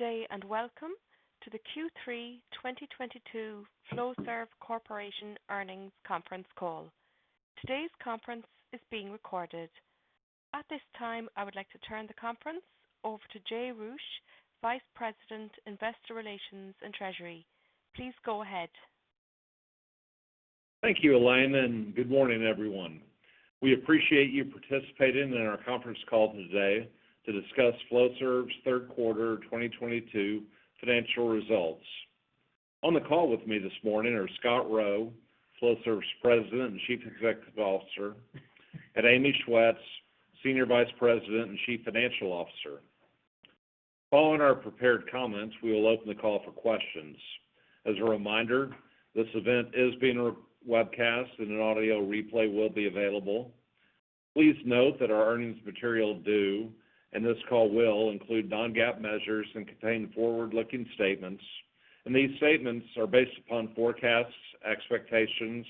Good day, and welcome to the Q3 2022 Flowserve Corporation earnings conference call. Today's conference is being recorded. At this time, I would like to turn the conference over to Jay Roueche, Vice President, Investor Relations and Treasury. Please go ahead. Thank you, Elaine, and good morning, everyone. We appreciate you participating in our conference call today to discuss Flowserve's Q3 2022 financial results. On the call with me this morning are Scott Rowe, Flowserve's President and Chief Executive Officer, and Amy Schwetz, Senior Vice President and Chief Financial Officer. Following our prepared comments, we will open the call for questions. As a reminder, this event is being webcast and an audio replay will be available. Please note that our earnings materials do, and this call will include non-GAAP measures and contain forward-looking statements, and these statements are based upon forecasts, expectations,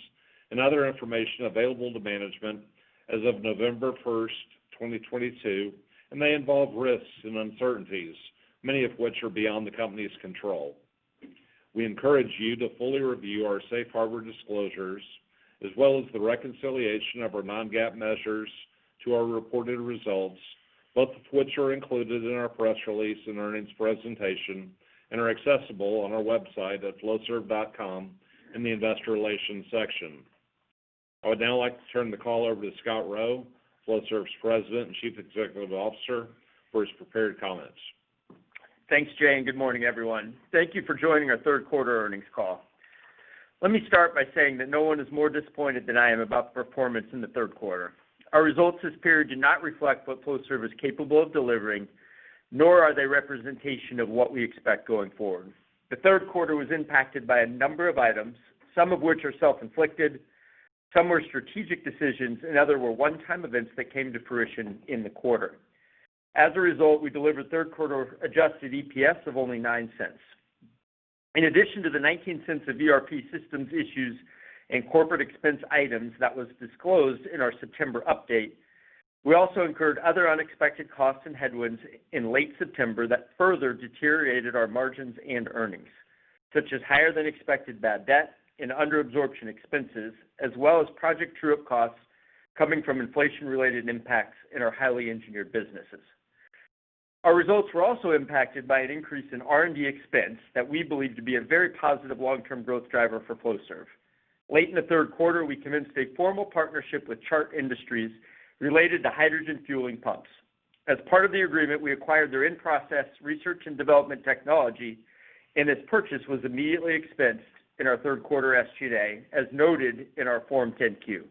and other information available to management as of November 1, 2022, and they involve risks and uncertainties, many of which are beyond the company's control. We encourage you to fully review our safe harbor disclosures, as well as the reconciliation of our non-GAAP measures to our reported results, both of which are included in our press release and earnings presentation and are accessible on our website at flowserve.com in the Investor Relations section. I would now like to turn the call over to Scott Rowe, Flowserve's President and Chief Executive Officer, for his prepared comments. Thanks, Jay, and good morning, everyone. Thank you for joining our Q3 earnings call. Let me start by saying that no one is more disappointed than I am about the performance in the Q3. Our results this period do not reflect what Flowserve is capable of delivering, nor are they representation of what we expect going forward. The Q3 was impacted by a number of items, some of which are self-inflicted, some were strategic decisions, and other were one-time events that came to fruition in the quarter. As a result, we delivered Q3 adjusted EPS of only $0.09. In addition to the $0.19 of ERP systems issues and corporate expense items that was disclosed in our September update, we also incurred other unexpected costs and headwinds in late September that further deteriorated our margins and earnings, such as higher than expected bad debt and under absorption expenses, as well as project true-up costs coming from inflation-related impacts in our highly engineered businesses. Our results were also impacted by an increase in R&D expense that we believe to be a very positive long-term growth driver for Flowserve. Late in the Q3, we commenced a formal partnership with Chart Industries related to hydrogen fueling pumps. As part of the agreement, we acquired their in-process research and development technology, and this purchase was immediately expensed in our Q3 SG&A, as noted in our Form 10-Q.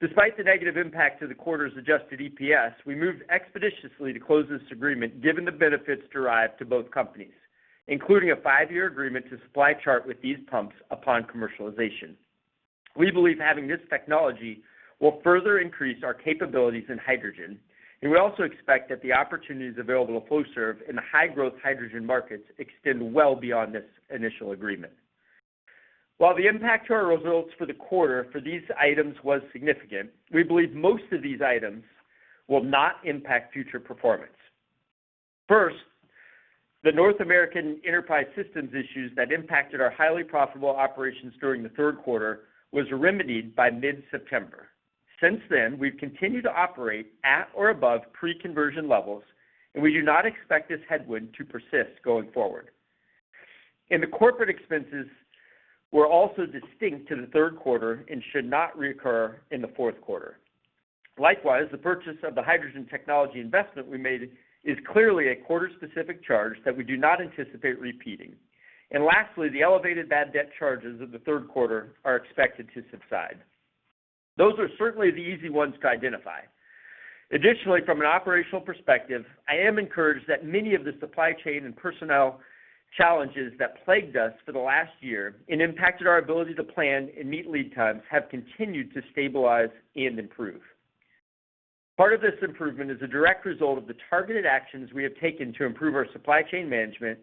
Despite the negative impact to the quarter's adjusted EPS, we moved expeditiously to close this agreement given the benefits derived to both companies, including a five-year agreement to supply Chart with these pumps upon commercialization. We believe having this technology will further increase our capabilities in hydrogen, and we also expect that the opportunities available to Flowserve in the high-growth hydrogen markets extend well beyond this initial agreement. While the impact to our results for the quarter for these items was significant, we believe most of these items will not impact future performance. First, the North American enterprise systems issues that impacted our highly profitable operations during the Q3 was remedied by mid-September. Since then, we've continued to operate at or above pre-conversion levels, and we do not expect this headwind to persist going forward. The corporate expenses were also distinct to the Q3 and should not reoccur in the Q4. Likewise, the purchase of the hydrogen technology investment we made is clearly a quarter specific charge that we do not anticipate repeating. Lastly, the elevated bad debt charges of the Q3 are expected to subside. Those are certainly the easy ones to identify. Additionally, from an operational perspective, I am encouraged that many of the supply chain and personnel challenges that plagued us for the last year and impacted our ability to plan and meet lead times have continued to stabilize and improve. Part of this improvement is a direct result of the targeted actions we have taken to improve our supply chain management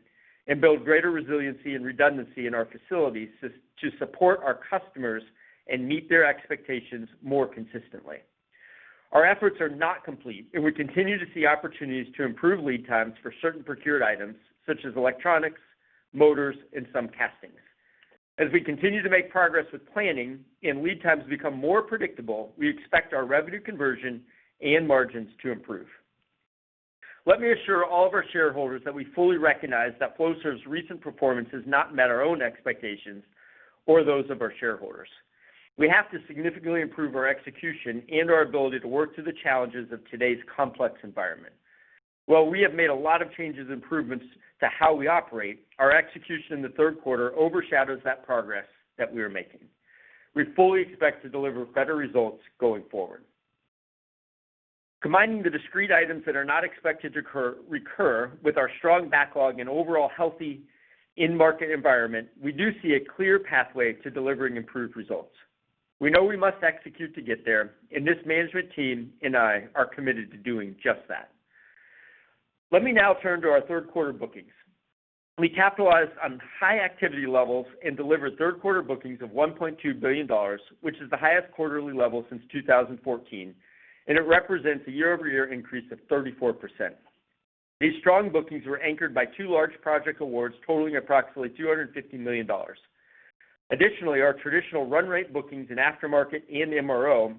and build greater resiliency and redundancy in our facilities to support our customers and meet their expectations more consistently. Our efforts are not complete, and we continue to see opportunities to improve lead times for certain procured items, such as electronics, motors, and some castings. As we continue to make progress with planning and lead times become more predictable, we expect our revenue conversion and margins to improve. Let me assure all of our shareholders that we fully recognize that Flowserve's recent performance has not met our own expectations or those of our shareholders. We have to significantly improve our execution and our ability to work through the challenges of today's complex environment. While we have made a lot of changes and improvements to how we operate, our execution in the Q3 overshadows that progress that we are making. We fully expect to deliver better results going forward. Combining the discrete items that are not expected to recur with our strong backlog and overall healthy end market environment, we do see a clear pathway to delivering improved results. We know we must execute to get there, and this management team and I are committed to doing just that. Let me now turn to our Q3 bookings. We capitalized on high activity levels and delivered Q3 bookings of $1.2 billion, which is the highest quarterly level since 2014, and it represents a year-over-year increase of 34%. These strong bookings were anchored by 2 large project awards totaling approximately $250 million. Additionally, our traditional run rate bookings in aftermarket and MRO,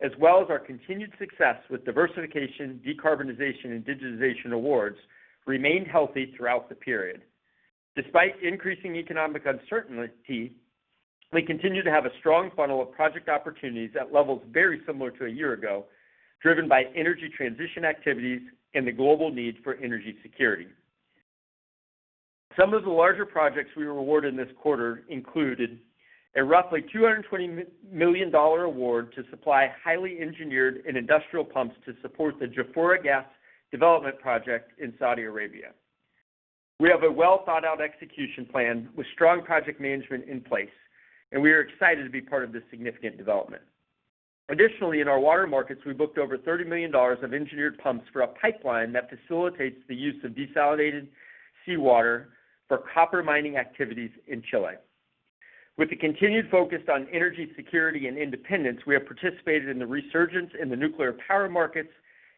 as well as our continued success with diversification, decarbonization, and digitization awards, remained healthy throughout the period. Despite increasing economic uncertainty, we continue to have a strong funnel of project opportunities at levels very similar to a year ago, driven by energy transition activities and the global need for energy security. Some of the larger projects we were awarded this quarter included a roughly $220 million award to supply highly engineered and industrial pumps to support the Jafurah Gas development project in Saudi Arabia. We have a well-thought-out execution plan with strong project management in place, and we are excited to be part of this significant development. Additionally, in our water markets, we booked over $30 million of engineered pumps for a pipeline that facilitates the use of desalinated seawater for copper mining activities in Chile. With the continued focus on energy security and independence, we have participated in the resurgence in the nuclear power markets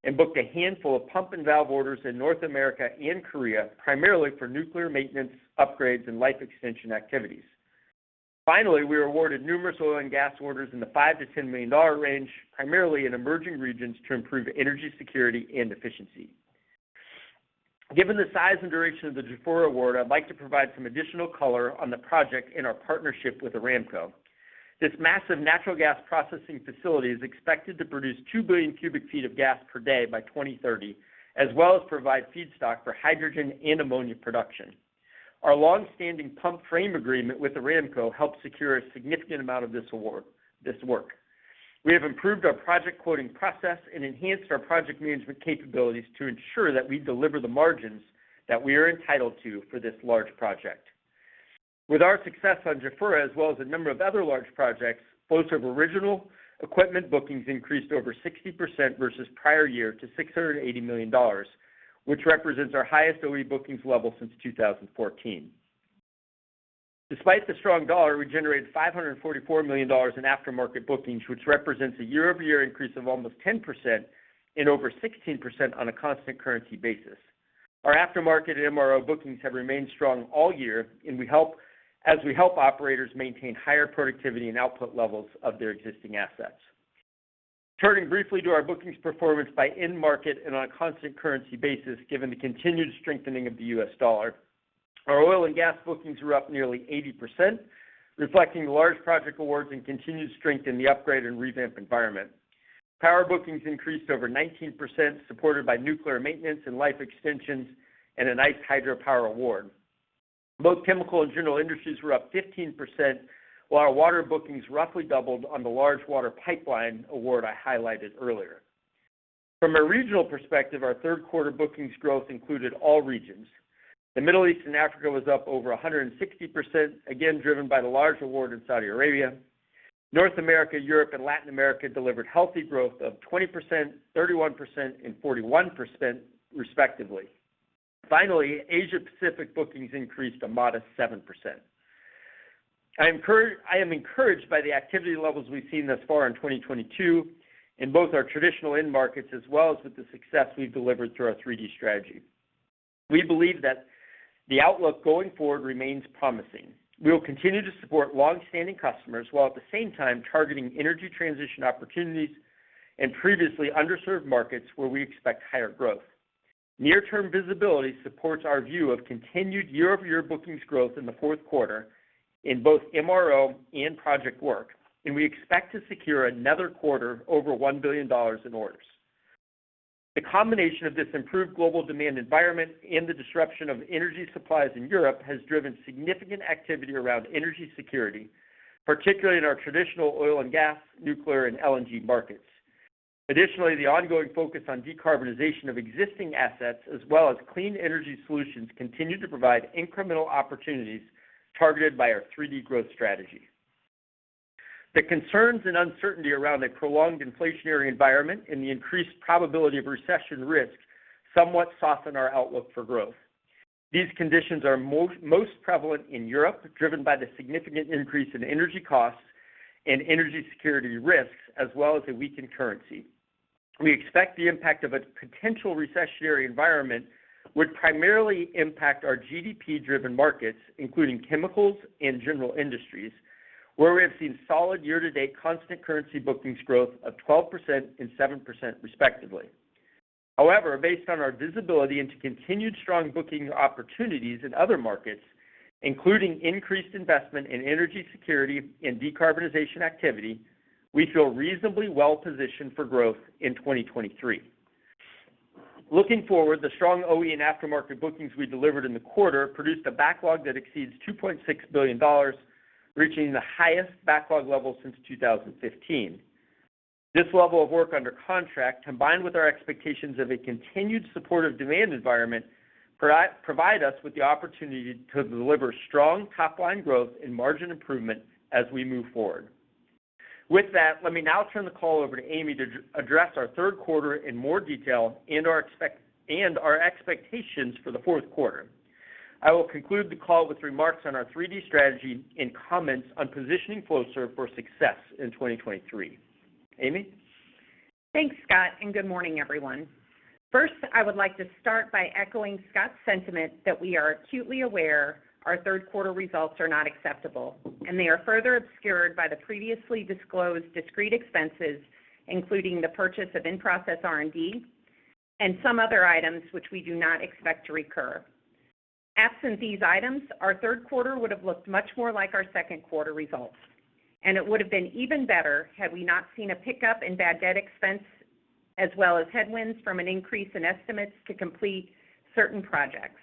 and booked a handful of pump and valve orders in North America and Korea, primarily for nuclear maintenance, upgrades, and life extension activities. Finally, we were awarded numerous oil and gas orders in the $5-$10 million range, primarily in emerging regions, to improve energy security and efficiency. Given the size and duration of the Jafurah award, I'd like to provide some additional color on the project in our partnership with Aramco. This massive natural gas processing facility is expected to produce 2 billion cubic feet of gas per day by 2030, as well as provide feedstock for hydrogen and ammonia production. Our long-standing pump frame agreement with Aramco helped secure a significant amount of this award, this work. We have improved our project quoting process and enhanced our project management capabilities to ensure that we deliver the margins that we are entitled to for this large project. With our success on Jafurah, as well as a number of other large projects, both of original equipment bookings increased over 60% versus prior year to $680 million, which represents our highest OE bookings level since 2014. Despite the strong dollar, we generated $544 million in aftermarket bookings, which represents a year-over-year increase of almost 10% and over 16% on a constant currency basis. Our aftermarket and MRO bookings have remained strong all year, and we help operators maintain higher productivity and output levels of their existing assets. Turning briefly to our bookings performance by end market and on a constant currency basis given the continued strengthening of the U.S. dollar. Our oil and gas bookings were up nearly 80%, reflecting large project awards and continued strength in the upgrade and revamp environment. Power bookings increased over 19%, supported by nuclear maintenance and life extensions and a nice hydropower award. Both chemical and general industries were up 15%, while our water bookings roughly doubled on the large water pipeline award I highlighted earlier. From a regional perspective, our Q3 bookings growth included all regions. The Middle East and Africa was up over 160%, again, driven by the large award in Saudi Arabia. North America, Europe, and Latin America delivered healthy growth of 20%, 31%, and 41% respectively. Finally, Asia Pacific bookings increased a modest 7%. I am encouraged by the activity levels we've seen thus far in 2022 in both our traditional end markets as well as with the success we've delivered through our 3D strategy. We believe that the outlook going forward remains promising. We will continue to support long-standing customers while at the same time targeting energy transition opportunities in previously underserved markets where we expect higher growth. Near-term visibility supports our view of continued year-over-year bookings growth in the Q4 in both MRO and project work, and we expect to secure another quarter of over $1 billion in orders. The combination of this improved global demand environment and the disruption of energy supplies in Europe has driven significant activity around energy security, particularly in our traditional oil and gas, nuclear, and LNG markets. Additionally, the ongoing focus on decarbonization of existing assets as well as clean energy solutions continue to provide incremental opportunities targeted by our 3D growth strategy. The concerns and uncertainty around a prolonged inflationary environment and the increased probability of recession risk somewhat soften our outlook for growth. These conditions are most prevalent in Europe, driven by the significant increase in energy costs and energy security risks as well as a weakened currency. We expect the impact of a potential recessionary environment would primarily impact our GDP-driven markets, including chemicals and general industries, where we have seen solid year-to-date constant currency bookings growth of 12% and 7% respectively. However, based on our visibility into continued strong booking opportunities in other markets, including increased investment in energy security and decarbonization activity, we feel reasonably well positioned for growth in 2023. Looking forward, the strong OE and aftermarket bookings we delivered in the quarter produced a backlog that exceeds $2.6 billion, reaching the highest backlog level since 2015. This level of work under contract, combined with our expectations of a continued supportive demand environment, provide us with the opportunity to deliver strong top-line growth and margin improvement as we move forward. With that, let me now turn the call over to Amy to address our Q3 in more detail and our expectations for the Q4. I will conclude the call with remarks on our 3D strategy and comments on positioning Flowserve for success in 2023. Amy? Thanks, Scott, and good morning, everyone. First, I would like to start by echoing Scott's sentiment that we are acutely aware our Q3 results are not acceptable, and they are further obscured by the previously disclosed discrete expenses, including the purchase of in-process R&D and some other items which we do not expect to recur. Absent these items, our Q3 would have looked much more like our Q2 results, and it would have been even better had we not seen a pickup in bad debt expense as well as headwinds from an increase in estimates to complete certain projects.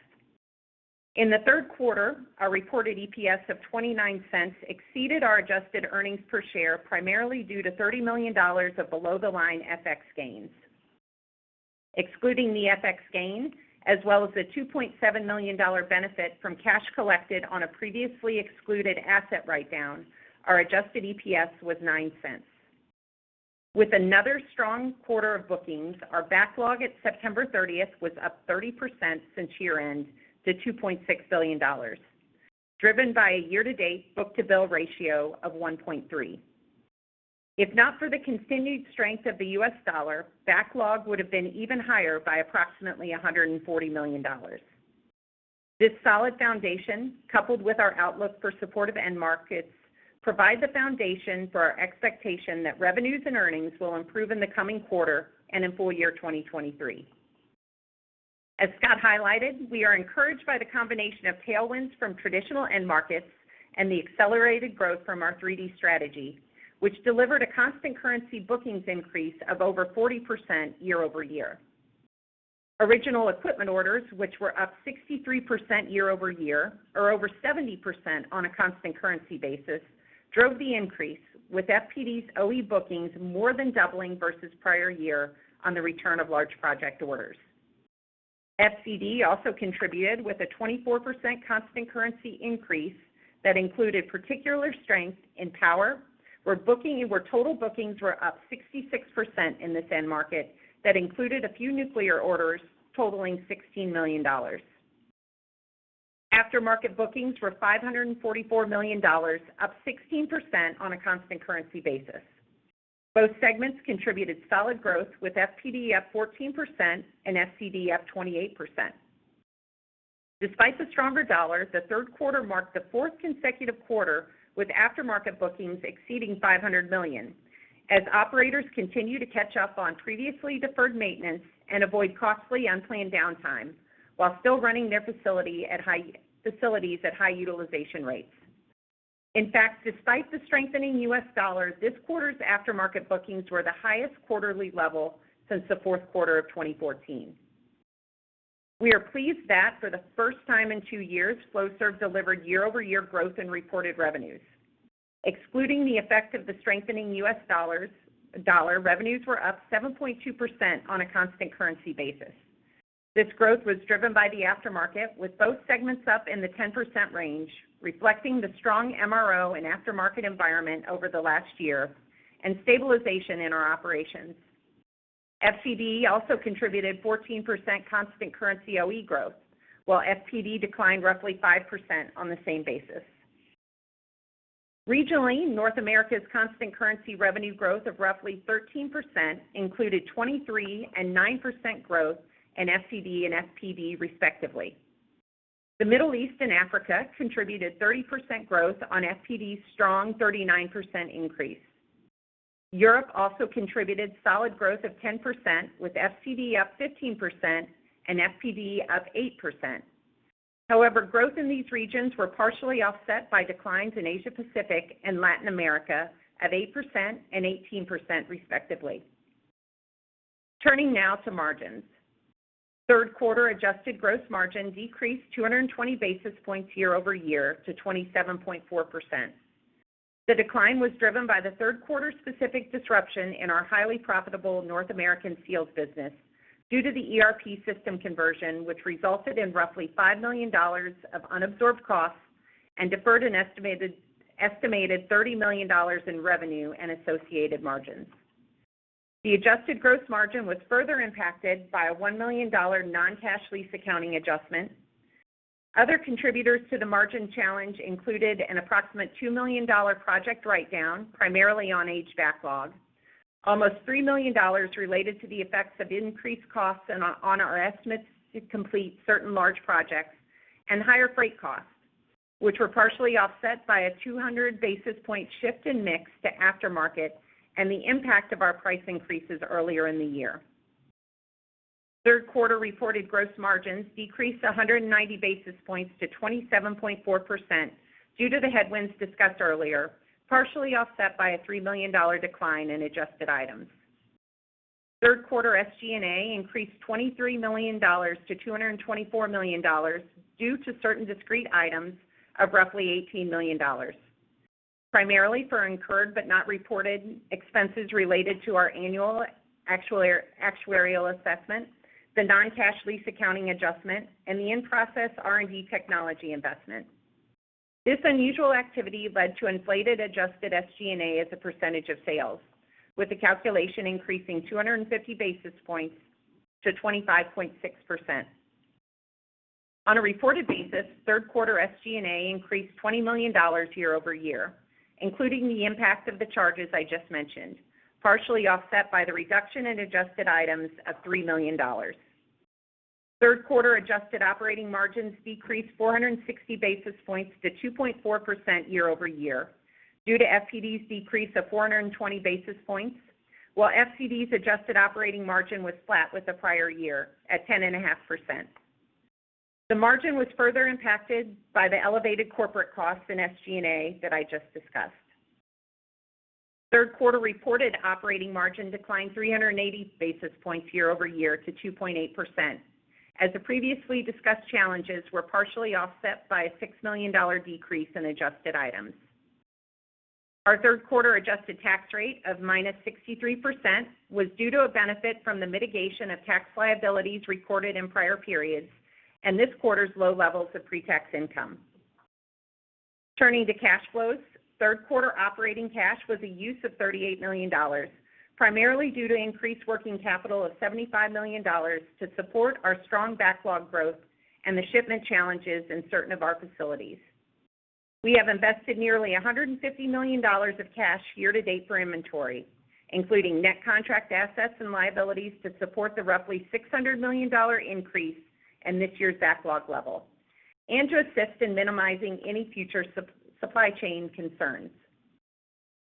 In the Q3, our reported EPS of $0.29 exceeded our adjusted earnings per share, primarily due to $30 million of below-the-line FX gains. Excluding the FX gain, as well as the $2.7 million benefit from cash collected on a previously excluded asset write-down, our adjusted EPS was $0.09. With another strong quarter of bookings, our backlog at September 30 was up 30% since year-end to $2.6 billion, driven by a year-to-date book-to-bill ratio of 1.3. If not for the continued strength of the US dollar, backlog would have been even higher by approximately $140 million. This solid foundation, coupled with our outlook for supportive end markets, provide the foundation for our expectation that revenues and earnings will improve in the coming quarter and in full year 2023. As Scott highlighted, we are encouraged by the combination of tailwinds from traditional end markets and the accelerated growth from our 3D strategy, which delivered a constant currency bookings increase of over 40% year-over-year. Original equipment orders, which were up 63% year-over-year, or over 70% on a constant currency basis, drove the increase, with FPD's OE bookings more than doubling versus prior year on the return of large project orders. FCD also contributed with a 24% constant currency increase that included particular strength in power, where total bookings were up 66% in this end market that included a few nuclear orders totaling $16 million. Aftermarket bookings were $544 million, up 16% on a constant currency basis. Both segments contributed solid growth, with FPD up 14% and FCD up 28%. Despite the stronger dollar, the Q3 marked the fourth consecutive quarter with aftermarket bookings exceeding $500 million, as operators continue to catch up on previously deferred maintenance and avoid costly unplanned downtime while still running their facilities at high utilization rates. In fact, despite the strengthening US dollar, this quarter's aftermarket bookings were the highest quarterly level since the Q4 of 2014. We are pleased that for the first time in two years, Flowserve delivered year-over-year growth in reported revenues. Excluding the effect of the strengthening US dollar, revenues were up 7.2% on a constant currency basis. This growth was driven by the aftermarket, with both segments up in the 10% range, reflecting the strong MRO and aftermarket environment over the last year and stabilization in our operations. FCD also contributed 14% constant currency OE growth, while FPD declined roughly 5% on the same basis. Regionally, North America's constant currency revenue growth of roughly 13% included 23% and 9% growth in FCD and FPD, respectively. The Middle East and Africa contributed 30% growth on FPD's strong 39% increase. Europe also contributed solid growth of 10%, with FCD up 15% and FPD up 8%. However, growth in these regions were partially offset by declines in Asia Pacific and Latin America at 8% and 18%, respectively. Turning now to margins. Q3 adjusted gross margin decreased 220 basis points year over year to 27.4%. The decline was driven by the Q3 specific disruption in our highly profitable North American seals business due to the ERP system conversion, which resulted in roughly $5 million of unabsorbed costs and deferred an estimated $30 million in revenue and associated margins. The adjusted gross margin was further impacted by a $1 million non-cash lease accounting adjustment. Other contributors to the margin challenge included an approximate $2 million project write-down, primarily on aged backlog, almost $3 million related to the effects of increased costs on our estimates to complete certain large projects, and higher freight costs, which were partially offset by a 200 basis point shift in mix to aftermarket and the impact of our price increases earlier in the year. Q3 reported gross margins decreased 190 basis points to 27.4% due to the headwinds discussed earlier, partially offset by a $3 million decline in adjusted items. Q3 SG&A increased $23 million to $224 million due to certain discrete items of roughly $18 million, primarily for incurred but not reported expenses related to our annual actuarial assessment, the non-cash lease accounting adjustment, and the in-process R&D technology investment. This unusual activity led to inflated adjusted SG&A as a percentage of sales, with the calculation increasing 250 basis points to 25.6%. On a reported basis, Q3 SG&A increased $20 million year-over-year, including the impact of the charges I just mentioned, partially offset by the reduction in adjusted items of $3 million. Q3 adjusted operating margins decreased 460 basis points to 2.4% year-over-year due to FPD's decrease of 420 basis points, while FCD's adjusted operating margin was flat with the prior year at 10.5%. The margin was further impacted by the elevated corporate costs in SG&A that I just discussed. Q3 reported operating margin declined 380 basis points year-over-year to 2.8%, as the previously discussed challenges were partially offset by a $6 million decrease in adjusted items. Our Q3 adjusted tax rate of -63% was due to a benefit from the mitigation of tax liabilities reported in prior periods and this quarter's low levels of pre-tax income. Turning to cash flows, Q3 operating cash was a use of $38 million, primarily due to increased working capital of $75 million to support our strong backlog growth and the shipment challenges in certain of our facilities. We have invested nearly $150 million of cash year to date for inventory, including net contract assets and liabilities to support the roughly $600 million increase in this year's backlog level, and to assist in minimizing any future supply chain concerns.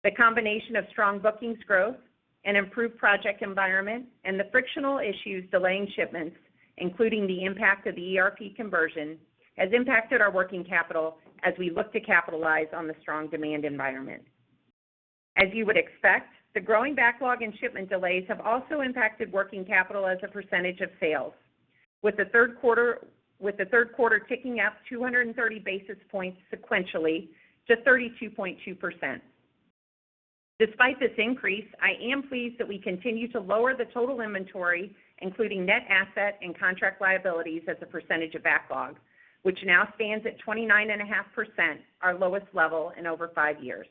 The combination of strong bookings growth and improved project environment and the frictional issues delaying shipments, including the impact of the ERP conversion, has impacted our working capital as we look to capitalize on the strong demand environment. As you would expect, the growing backlog and shipment delays have also impacted working capital as a percentage of sales. With the Q3 ticking up 230 basis points sequentially to 32.2%. Despite this increase, I am pleased that we continue to lower the total inventory, including net asset and contract liabilities as a percentage of backlog, which now stands at 29.5%, our lowest level in over five years.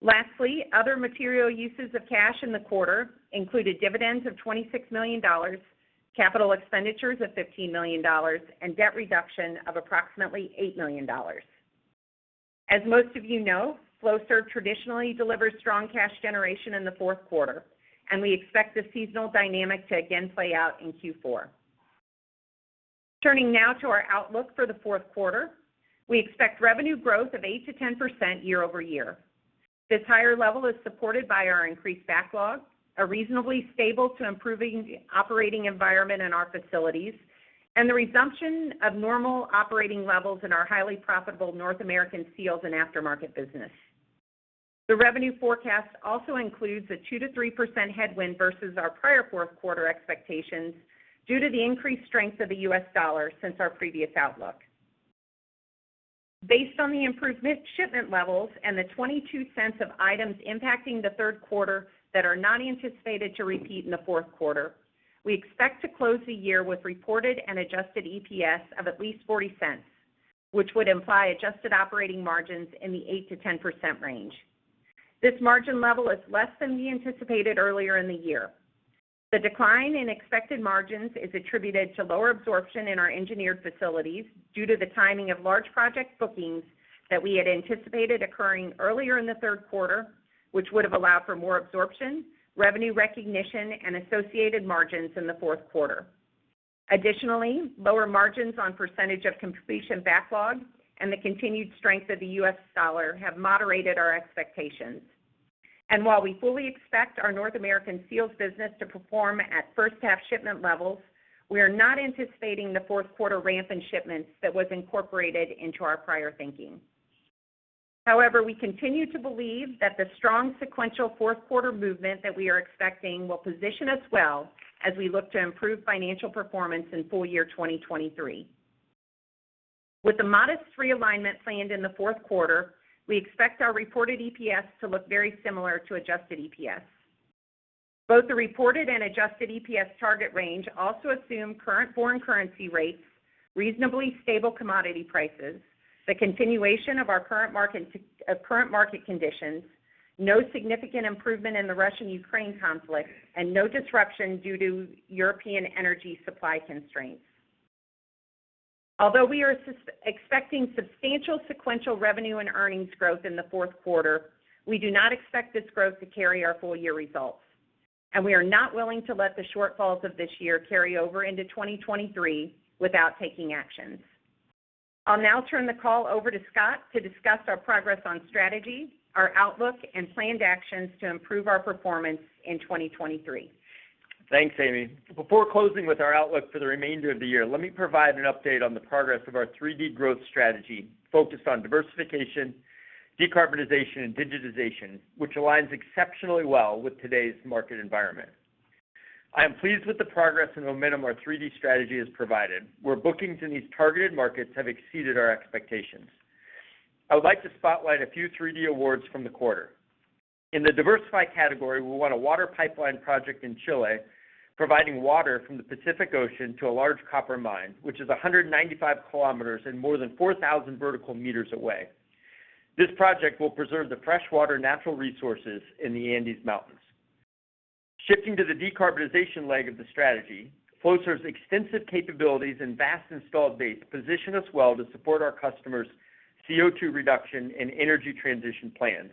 Lastly, other material uses of cash in the quarter included dividends of $26 million, capital expenditures of $15 million, and debt reduction of approximately $8 million. As most of you know, Flowserve traditionally delivers strong cash generation in the Q4, and we expect this seasonal dynamic to again play out in Q4. Turning now to our outlook for the Q4. We expect revenue growth of 8%-10% year-over-year. This higher level is supported by our increased backlog, a reasonably stable to improving operating environment in our facilities, and the resumption of normal operating levels in our highly profitable North American Seals and Aftermarket business. The revenue forecast also includes a 2%-3% headwind versus our prior Q4 expectations due to the increased strength of the US dollar since our previous outlook. Based on the improvement shipment levels and the $0.22 of items impacting the Q3 that are not anticipated to repeat in the Q4, we expect to close the year with reported and adjusted EPS of at least $0.40, which would imply adjusted operating margins in the 8%-10% range. This margin level is less than we anticipated earlier in the year. The decline in expected margins is attributed to lower absorption in our engineered facilities due to the timing of large project bookings that we had anticipated occurring earlier in the Q3, which would have allowed for more absorption, revenue recognition, and associated margins in the Q4. Additionally, lower margins on percentage of completion backlog and the continued strength of the US dollar have moderated our expectations. While we fully expect our North American Seals business to perform at first half shipment levels, we are not anticipating the Q4 ramp in shipments that was incorporated into our prior thinking. However, we continue to believe that the strong sequential Q4 movement that we are expecting will position us well as we look to improve financial performance in full year 2023. With the modest realignment planned in the Q4, we expect our reported EPS to look very similar to adjusted EPS. Both the reported and adjusted EPS target range also assume current foreign currency rates, reasonably stable commodity prices, the continuation of our current market conditions, no significant improvement in the Russia-Ukraine conflict, and no disruption due to European energy supply constraints. Although we are expecting substantial sequential revenue and earnings growth in the Q4, we do not expect this growth to carry our full year results, and we are not willing to let the shortfalls of this year carry over into 2023 without taking actions. I'll now turn the call over to Scott to discuss our progress on strategy, our outlook, and planned actions to improve our performance in 2023. Thanks, Amy. Before closing with our outlook for the remainder of the year, let me provide an update on the progress of our three D growth strategy focused on diversification, decarbonization, and digitization, which aligns exceptionally well with today's market environment. I am pleased with the progress and momentum our three D strategy has provided, where bookings in these targeted markets have exceeded our expectations. I would like to spotlight a few three D awards from the quarter. In the diversified category, we won a water pipeline project in Chile, providing water from the Pacific Ocean to a large copper mine, which is 195 kilometers and more than 4,000 vertical meters away. This project will preserve the freshwater natural resources in the Andes Mountains. Shifting to the decarbonization leg of the strategy, Flowserve's extensive capabilities and vast installed base position us well to support our customers' CO2 reduction and energy transition plans.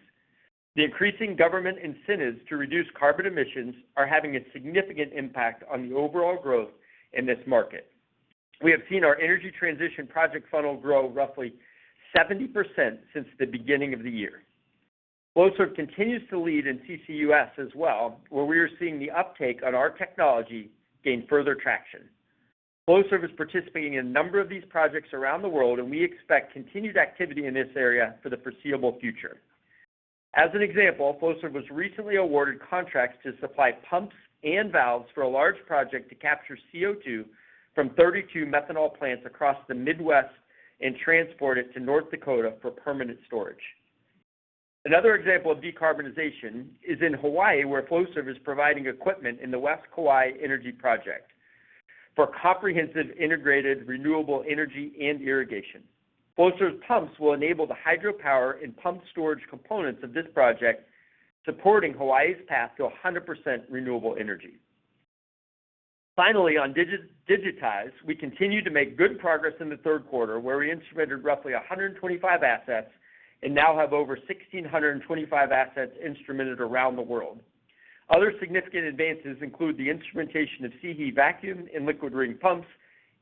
The increasing government incentives to reduce carbon emissions are having a significant impact on the overall growth in this market. We have seen our energy transition project funnel grow roughly 70% since the beginning of the year. Flowserve continues to lead in CCUS as well, where we are seeing the uptake on our technology gain further traction. Flowserve is participating in a number of these projects around the world, and we expect continued activity in this area for the foreseeable future. As an example, Flowserve was recently awarded contracts to supply pumps and valves for a large project to capture CO2 from 32 methanol plants across the Midwest and transport it to North Dakota for permanent storage. Another example of decarbonization is in Hawaii, where Flowserve is providing equipment in the West Kauai Energy Project for comprehensive integrated, renewable energy, and irrigation. Flowserve's pumps will enable the hydropower and pumped storage components of this project, supporting Hawaii's path to 100% renewable energy. Finally, on digitalization, we continue to make good progress in the Q3, where we instrumented roughly 125 assets and now have over 1,625 assets instrumented around the world. Other significant advances include the instrumentation of SIHI vacuum and liquid ring pumps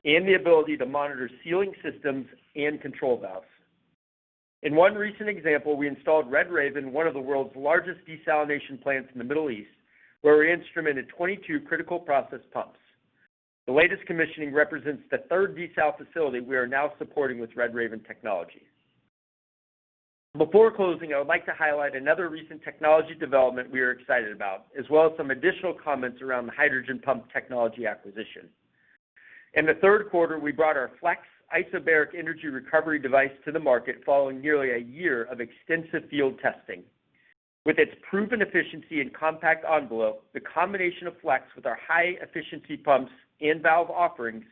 and the ability to monitor sealing systems and control valves. In one recent example, we installed RedRaven, one of the world's largest desalination plants in the Middle East, where we instrumented 22 critical process pumps. The latest commissioning represents the third desal facility we are now supporting with RedRaven technology. Before closing, I would like to highlight another recent technology development we are excited about, as well as some additional comments around the hydrogen pump technology acquisition. In the Q3, we brought our FLEX isobaric energy recovery device to the market, following nearly a year of extensive field testing. With its proven efficiency and compact envelope, the combination of FLEX with our high-efficiency pumps and valve offerings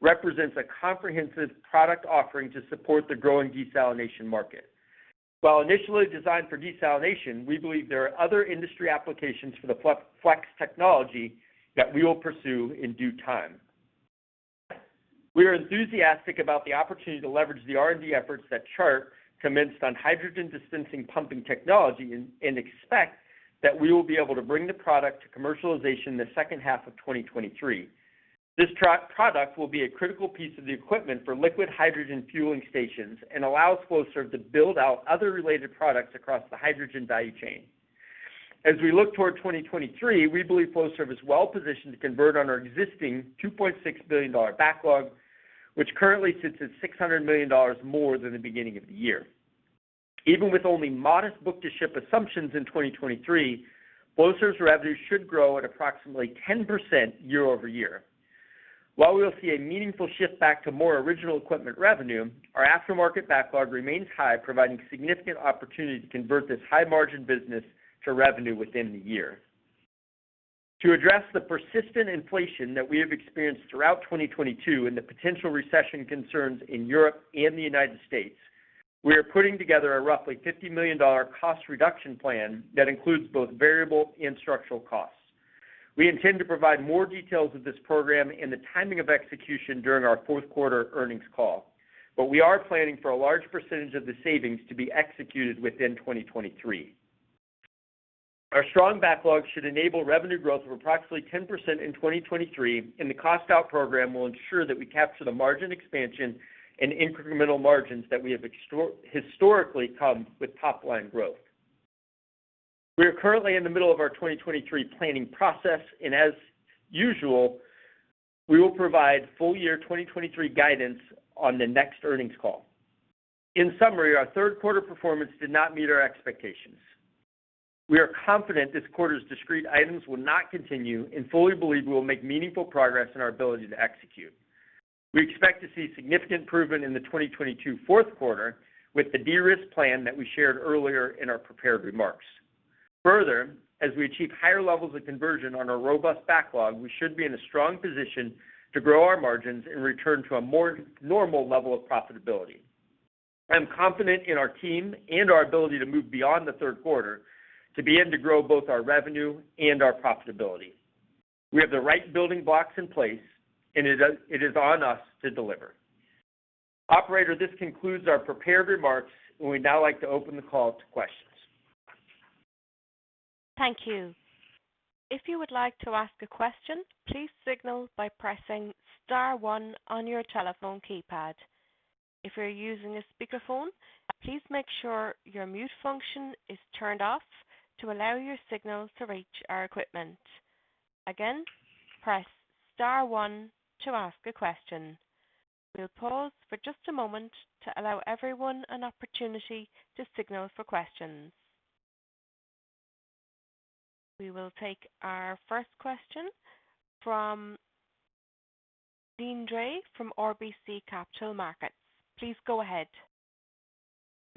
represents a comprehensive product offering to support the growing desalination market. While initially designed for desalination, we believe there are other industry applications for the FLEX technology that we will pursue in due time. We are enthusiastic about the opportunity to leverage the R&D efforts that Chart commenced on hydrogen dispensing pumping technology and expect that we will be able to bring the product to commercialization in the second half of 2023. This product will be a critical piece of the equipment for liquid hydrogen fueling stations and allows Flowserve to build out other related products across the hydrogen value chain. As we look toward 2023, we believe Flowserve is well-positioned to convert on our existing $2.6 billion backlog, which currently sits at $600 million more than the beginning of the year. Even with only modest book-to-ship assumptions in 2023, Flowserve's revenue should grow at approximately 10% year-over-year. While we will see a meaningful shift back to more original equipment revenue, our aftermarket backlog remains high, providing significant opportunity to convert this high-margin business to revenue within the year. To address the persistent inflation that we have experienced throughout 2022 and the potential recession concerns in Europe and the United States, we are putting together a roughly $50 million cost reduction plan that includes both variable and structural costs. We intend to provide more details of this program and the timing of execution during our Q4 earnings call, but we are planning for a large percentage of the savings to be executed within 2023. Our strong backlog should enable revenue growth of approximately 10% in 2023, and the cost-out program will ensure that we capture the margin expansion and incremental margins that we have historically come with top-line growth. We are currently in the middle of our 2023 planning process, and as usual, we will provide full-year 2023 guidance on the next earnings call. In summary, our Q3 performance did not meet our expectations. We are confident this quarter's discrete items will not continue and fully believe we will make meaningful progress in our ability to execute. We expect to see significant improvement in the 2022 Q4 with the de-risk plan that we shared earlier in our prepared remarks. Further, as we achieve higher levels of conversion on our robust backlog, we should be in a strong position to grow our margins and return to a more normal level of profitability. I am confident in our team and our ability to move beyond the Q3 to begin to grow both our revenue and our profitability. We have the right building blocks in place, and it is on us to deliver. Operator, this concludes our prepared remarks, and we'd now like to open the call to questions. Thank you. If you would like to ask a question, please signal by pressing star one on your telephone keypad. If you're using a speakerphone, please make sure your mute function is turned off to allow your signal to reach our equipment. Again, press star one to ask a question. We'll pause for just a moment to allow everyone an opportunity to signal for questions. We will take our first question from Deane Dray from RBC Capital Markets. Please go ahead.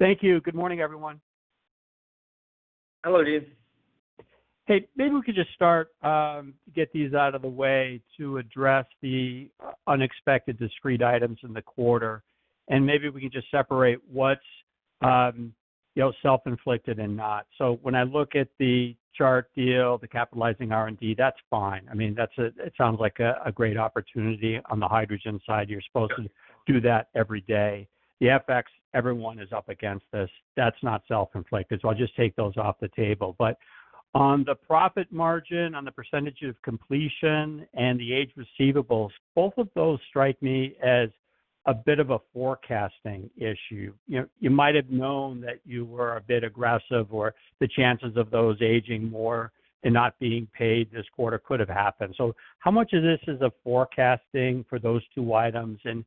Thank you. Good morning, everyone. Hello, Deane. Hey, maybe we could just start to get these out of the way to address the unexpected discrete items in the quarter, and maybe we can just separate what's, you know, self-inflicted and not. When I look at the chart view of the capitalizing R&D, that's fine. I mean, it sounds like a great opportunity on the hydrogen side. You're supposed to do that every day. The FX, everyone is up against this. That's not self-inflicted, so I'll just take those off the table. On the profit margin, on the percentage of completion and the aged receivables, both of those strike me as a bit of a forecasting issue. You know, you might have known that you were a bit aggressive, or the chances of those aging more and not being paid this quarter could have happened. How much of this is a forecasting for those two items, and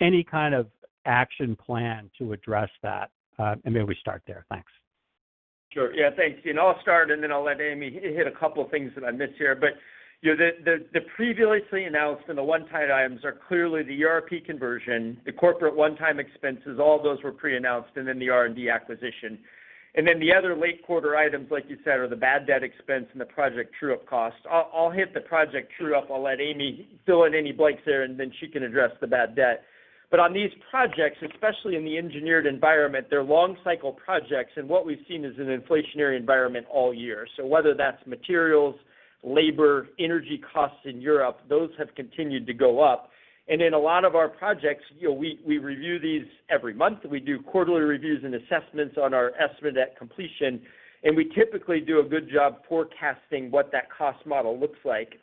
any kind of action plan to address that? May we start there? Thanks. Sure. Yeah, thanks, Dean. I'll start, and then I'll let Amy hit a couple of things that I miss here. You know, the previously announced and the one-time items are clearly the ERP conversion, the corporate one-time expenses, all those were pre-announced and then the R&D acquisition. Then the other late quarter items, like you said, are the bad debt expense and the project true-up cost. I'll hit the project true-up. I'll let Amy fill in any blanks there, and then she can address the bad debt. On these projects, especially in the engineered environment, they're long cycle projects. What we've seen is an inflationary environment all year. Whether that's materials, labor, energy costs in Europe, those have continued to go up. In a lot of our projects, you know, we review these every month. We do quarterly reviews and assessments on our estimate at completion, and we typically do a good job forecasting what that cost model looks like.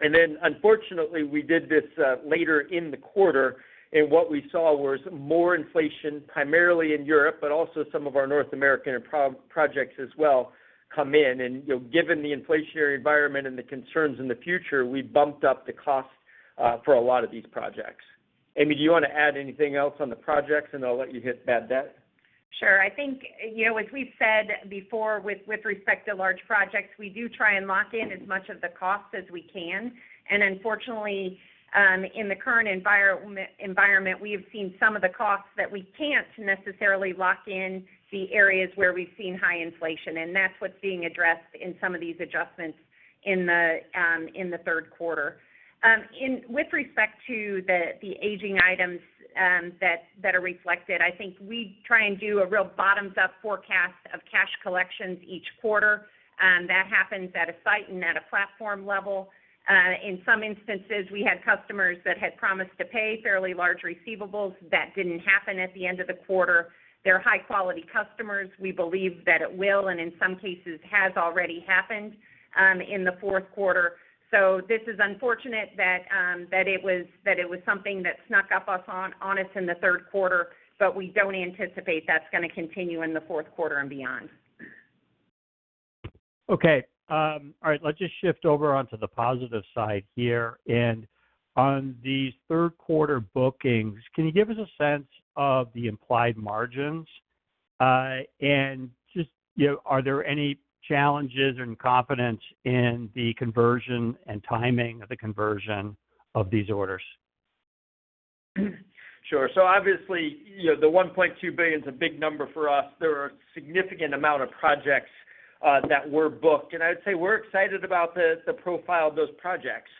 Then unfortunately, we did this later in the quarter, and what we saw was more inflation, primarily in Europe, but also some of our North American pro-projects as well come in. You know, given the inflationary environment and the concerns in the future, we bumped up the cost for a lot of these projects. Amy, do you wanna add anything else on the projects, and I'll let you hit bad debt? Sure. I think, you know, as we've said before with respect to large projects, we do try and lock in as much of the cost as we can. Unfortunately, in the current environment, we have seen some of the costs that we can't necessarily lock in the areas where we've seen high inflation, and that's what's being addressed in some of these adjustments in the Q3. With respect to the aging items that are reflected, I think we try and do a real bottoms-up forecast of cash collections each quarter. That happens at a site and at a platform level. In some instances, we had customers that had promised to pay fairly large receivables that didn't happen at the end of the quarter. They're high-quality customers. We believe that it will, and in some cases has already happened, in the Q4. This is unfortunate that it was something that snuck up on us in the Q3, but we don't anticipate that's gonna continue in the Q4 and beyond. Okay. All right, let's just shift over on to the positive side here. On the Q3 bookings, can you give us a sense of the implied margins? Just, you know, are there any challenges or impediments in the conversion and timing of the conversion of these orders? Sure. Obviously, you know, the $1.2 billion is a big number for us. There is a significant amount of projects that were booked. I would say we're excited about the profile of those projects.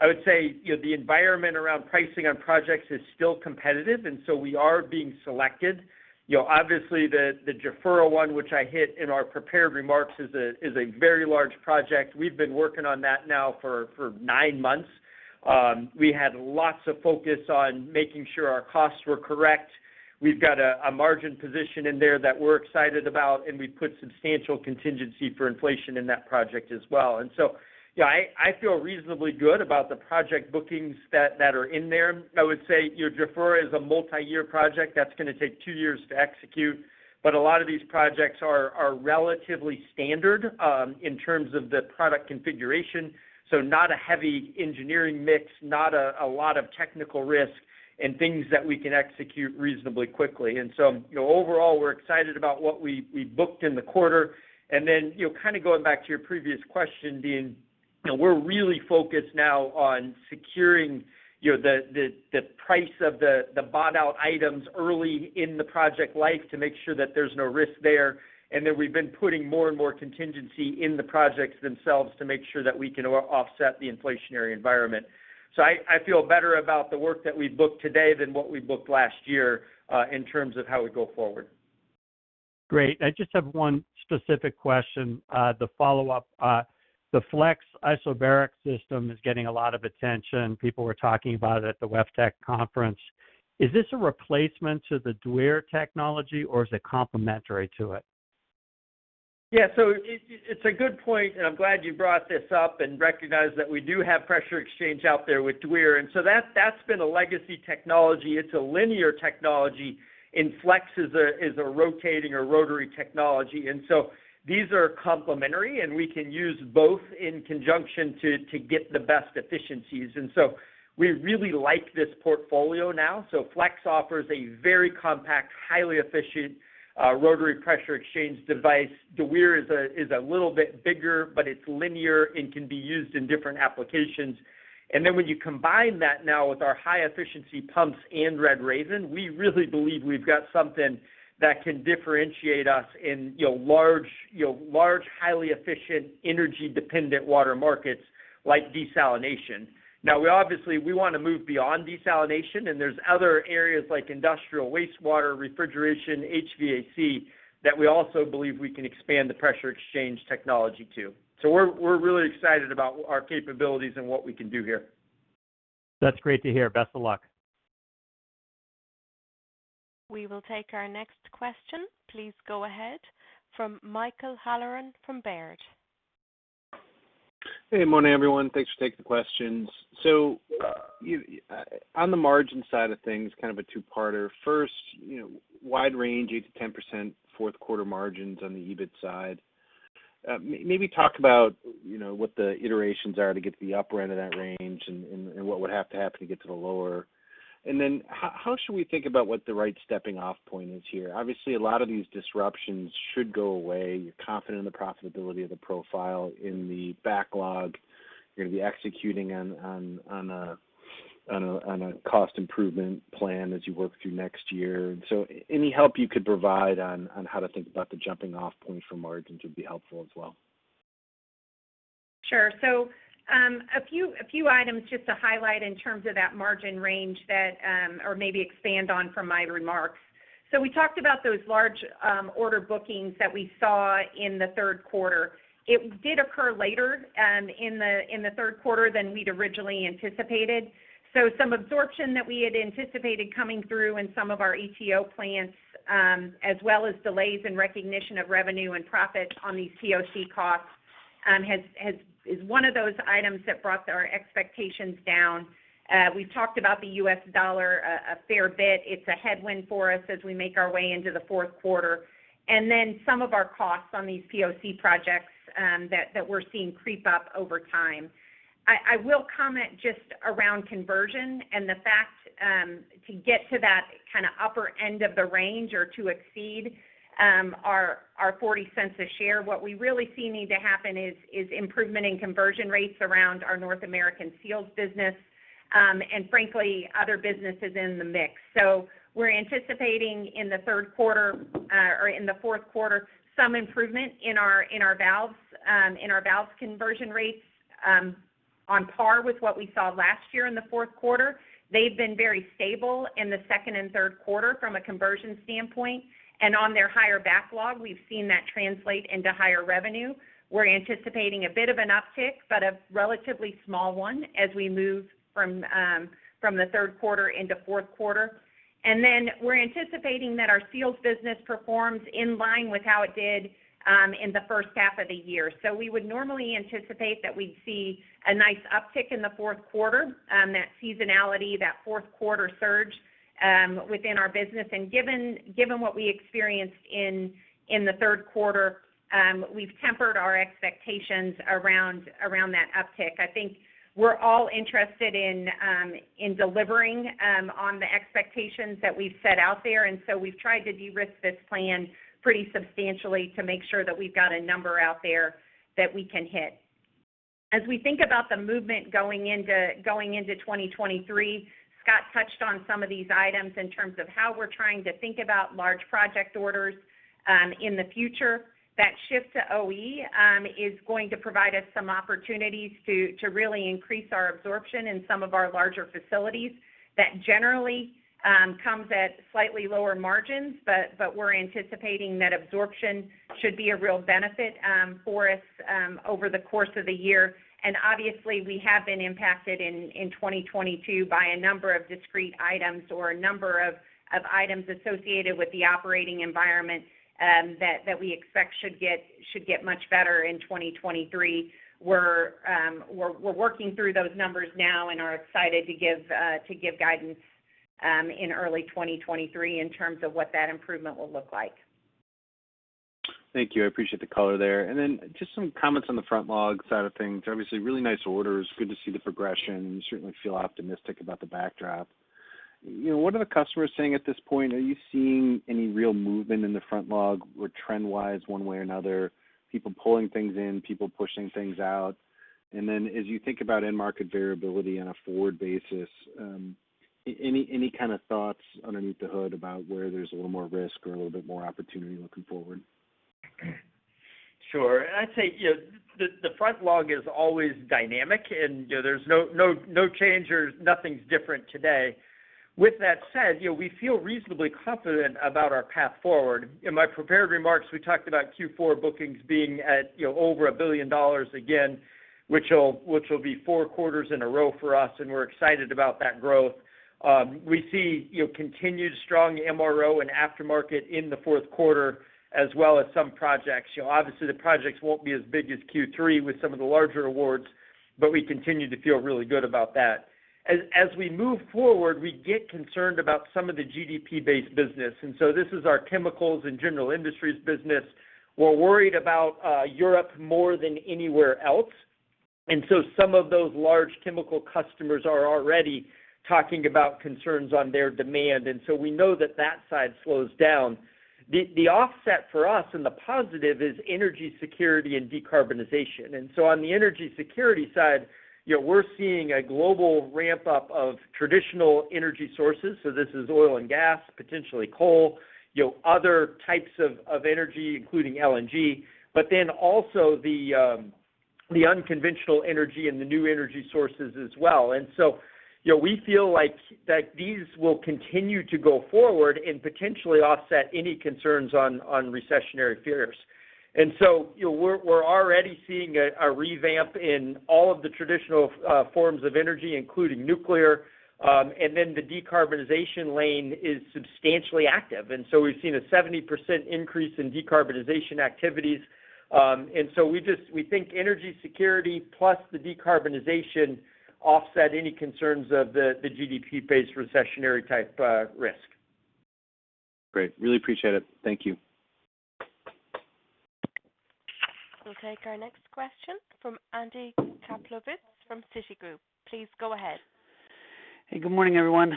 I would say, you know, the environment around pricing on projects is still competitive, and so we are being selected. You know, obviously the Jafurah one, which I hit in our prepared remarks, is a very large project. We've been working on that now for nine months. We had lots of focus on making sure our costs were correct. We've got a margin position in there that we're excited about, and we put substantial contingency for inflation in that project as well. You know, I feel reasonably good about the project bookings that are in there. I would say, you know, Jafurah is a multi-year project that's gonna take two years to execute. A lot of these projects are relatively standard in terms of the product configuration. Not a heavy engineering mix, not a lot of technical risk, and things that we can execute reasonably quickly. You know, overall, we're excited about what we booked in the quarter. You know, kind of going back to your previous question, Dean, you know, we're really focused now on securing, you know, the price of the bought out items early in the project life to make sure that there's no risk there. We've been putting more and more contingency in the projects themselves to make sure that we can offset the inflationary environment. I feel better about the work that we've booked today than what we booked last year, in terms of how we go forward. Great. I just have one specific question to follow up. The FLEX isobaric system is getting a lot of attention. People were talking about it at the WEFTEC conference. Is this a replacement to the Dwyer technology or is it complementary to it? Yeah. It's a good point and I'm glad you brought this up and recognize that we do have pressure exchange out there with Dwyer. That's been a legacy technology. It's a linear technology, and FLEX is a rotating or rotary technology. These are complementary, and we can use both in conjunction to get the best efficiencies. We really like this portfolio now. FLEX offers a very compact, highly efficient rotary pressure exchange device. Dwyer is a little bit bigger, but it's linear and can be used in different applications. When you combine that now with our high efficiency pumps and RedRaven, we really believe we've got something that can differentiate us in, you know, large, highly efficient, energy-dependent water markets like desalination. Now we obviously, we wanna move beyond desalination, and there's other areas like industrial wastewater, refrigeration, HVAC, that we also believe we can expand the pressure exchange technology to. We're really excited about our capabilities and what we can do here. That's great to hear. Best of luck. We will take our next question. Please go ahead from Michael Halloran from Baird. Hey, good morning, everyone. Thanks for taking the questions. You on the margin side of things, kind of a two-parter. First, you know, wide range, 8%-10% Q4 margins on the EBIT side. Maybe talk about, you know, what the iterations are to get to the upper end of that range and what would have to happen to get to the lower. Then how should we think about what the right stepping off point is here? Obviously, a lot of these disruptions should go away. You're confident in the profitability of the profile in the backlog you're gonna be executing on a cost improvement plan as you work through next year. Any help you could provide on how to think about the jumping off point for margins would be helpful as well. Sure. A few items just to highlight in terms of that margin range that, or maybe expand on from my remarks. We talked about those large order bookings that we saw in the Q3. It did occur later in the Q3 than we'd originally anticipated. Some absorption that we had anticipated coming through in some of our ETO plants, as well as delays in recognition of revenue and profit on these POC costs, is one of those items that brought our expectations down. We've talked about the U.S. dollar a fair bit. It's a headwind for us as we make our way into the Q4. Then some of our costs on these POC projects, that we're seeing creep up over time. I will comment just around conversion and the fact to get to that kinda upper end of the range or to exceed our $0.40 a share, what we really need to see happen is improvement in conversion rates around our North American seals business and frankly other businesses in the mix. We're anticipating in the Q3 or in the Q4 some improvement in our valves conversion rates on par with what we saw last year in the Q4. They've been very stable in the second and Q3 from a conversion standpoint. On their higher backlog, we've seen that translate into higher revenue. We're anticipating a bit of an uptick, but a relatively small one as we move from the Q3 into Q4 Then we're anticipating that our seals business performs in line with how it did in the first half of the year. We would normally anticipate that we'd see a nice uptick in the Q4, that seasonality, that Q4 surge within our business. Given what we experienced in the Q3, we've tempered our expectations around that uptick. I think we're all interested in delivering on the expectations that we've set out there. We've tried to de-risk this plan pretty substantially to make sure that we've got a number out there that we can hit. As we think about the movement going into 2023, Scott touched on some of these items in terms of how we're trying to think about large project orders in the future. That shift to OE is going to provide us some opportunities to really increase our absorption in some of our larger facilities that generally comes at slightly lower margins, but we're anticipating that absorption should be a real benefit for us over the course of the year. Obviously, we have been impacted in 2022 by a number of discrete items or a number of items associated with the operating environment that we expect should get much better in 2023. We're working through those numbers now and are excited to give guidance in early 2023 in terms of what that improvement will look like. Thank you. I appreciate the color there. Just some comments on the front log side of things. Obviously, really nice orders. Good to see the progression, and you certainly feel optimistic about the backdrop. You know, what are the customers saying at this point? Are you seeing any real movement in the front log or trend-wise one way or another, people pulling things in, people pushing things out? As you think about end market variability on a forward basis, any kind of thoughts underneath the hood about where there's a little more risk or a little bit more opportunity looking forward? Sure. I'd say, you know, the front log is always dynamic and, you know, there's no change or nothing's different today. With that said, you know, we feel reasonably confident about our path forward. In my prepared remarks, we talked about Q4 bookings being at, you know, over $1 billion again, which will be four quarters in a row for us, and we're excited about that growth. We see, you know, continued strong MRO and aftermarket in the Q4, as well as some projects. You know, obviously, the projects won't be as big as Q3 with some of the larger awards, but we continue to feel really good about that. As we move forward, we get concerned about some of the GDP-based business. This is our chemicals and general industries business. We're worried about Europe more than anywhere else. Some of those large chemical customers are already talking about concerns on their demand. We know that side slows down. The offset for us and the positive is energy security and decarbonization. On the energy security side, you know, we're seeing a global ramp up of traditional energy sources. This is oil and gas, potentially coal, you know, other types of energy, including LNG, but then also the unconventional energy and the new energy sources as well. You know, we feel like that these will continue to go forward and potentially offset any concerns on recessionary fears. You know, we're already seeing a revamp in all of the traditional forms of energy, including nuclear. The decarbonization lane is substantially active. We've seen a 70% increase in decarbonization activities. We think energy security plus the decarbonization offset any concerns of the GDP-based recessionary type risk. Great. Really appreciate it. Thank you. We'll take our next question from Andy Kaplowitz from Citigroup. Please go ahead. Hey, good morning, everyone.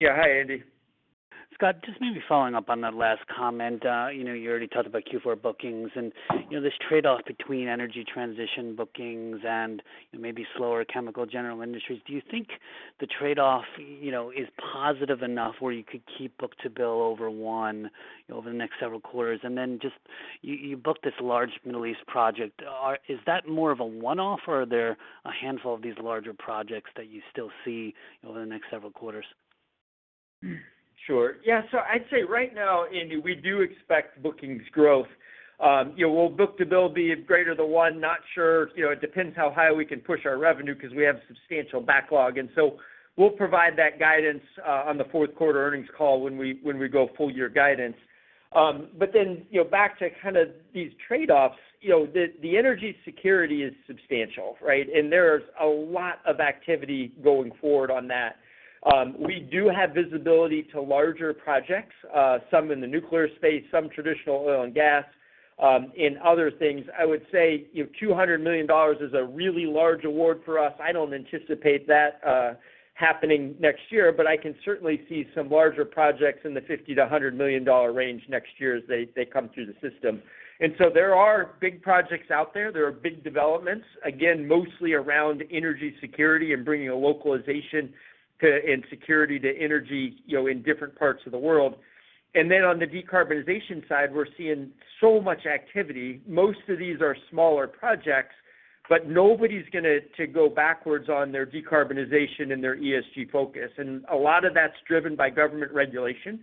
Yeah. Hi, Andy. Scott, just maybe following up on that last comment. You already talked about Q4 bookings and this trade-off between energy transition bookings and maybe slower chemical general industries. Do you think the trade-off is positive enough where you could keep book-to-bill over one over the next several quarters? Just you booked this large Middle East project. Is that more of a one-off or are there a handful of these larger projects that you still see over the next several quarters? Sure. Yeah. I'd say right now, Andy, we do expect bookings growth. You know, will book-to-bill be greater than one? Not sure. You know, it depends how high we can push our revenue because we have substantial backlog. We'll provide that guidance on the Q4 earnings call when we go full year guidance. But then, you know, back to kind of these trade-offs, you know, the energy security is substantial, right? There's a lot of activity going forward on that. We do have visibility to larger projects, some in the nuclear space, some traditional oil and gas, and other things. I would say, you know, $200 million is a really large award for us. I don't anticipate that happening next year, but I can certainly see some larger projects in the $50 to $100 million range next year as they come through the system. There are big projects out there. There are big developments, again, mostly around energy security and bringing a localization to and security to energy, you know, in different parts of the world. On the decarbonization side, we're seeing so much activity. Most of these are smaller projects, but nobody's going to go backwards on their decarbonization and their ESG focus. A lot of that's driven by government regulation.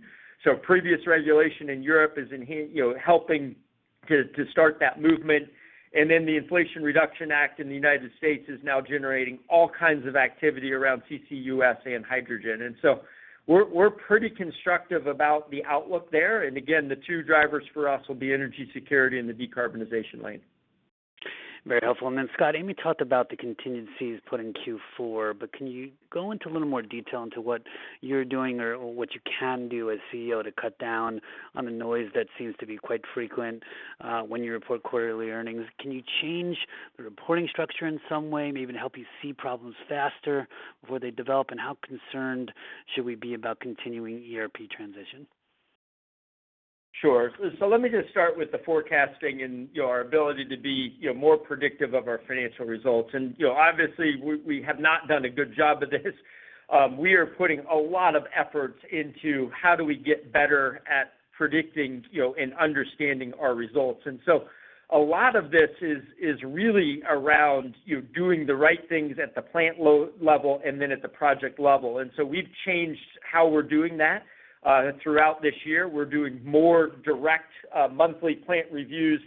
Previous regulation in Europe is, you know, helping to start that movement. The Inflation Reduction Act in the United States is now generating all kinds of activity around CCUS and hydrogen. We're pretty constructive about the outlook there. Again, the two drivers for us will be energy security and the decarbonization lane. Very helpful. Scott, Amy talked about the contingencies put in Q4, but can you go into a little more detail into what you're doing or what you can do as CEO to cut down on the noise that seems to be quite frequent, when you report quarterly earnings? Can you change the reporting structure in some way, maybe even help you see problems faster before they develop, and how concerned should we be about continuing ERP transition? Sure. Let me just start with the forecasting and, you know, our ability to be, you know, more predictive of our financial results. You know, obviously, we have not done a good job of this. We are putting a lot of efforts into how do we get better at predicting, you know, and understanding our results. A lot of this is really around, you know, doing the right things at the plant level and then at the project level. We've changed how we're doing that throughout this year. We're doing more direct monthly plant reviews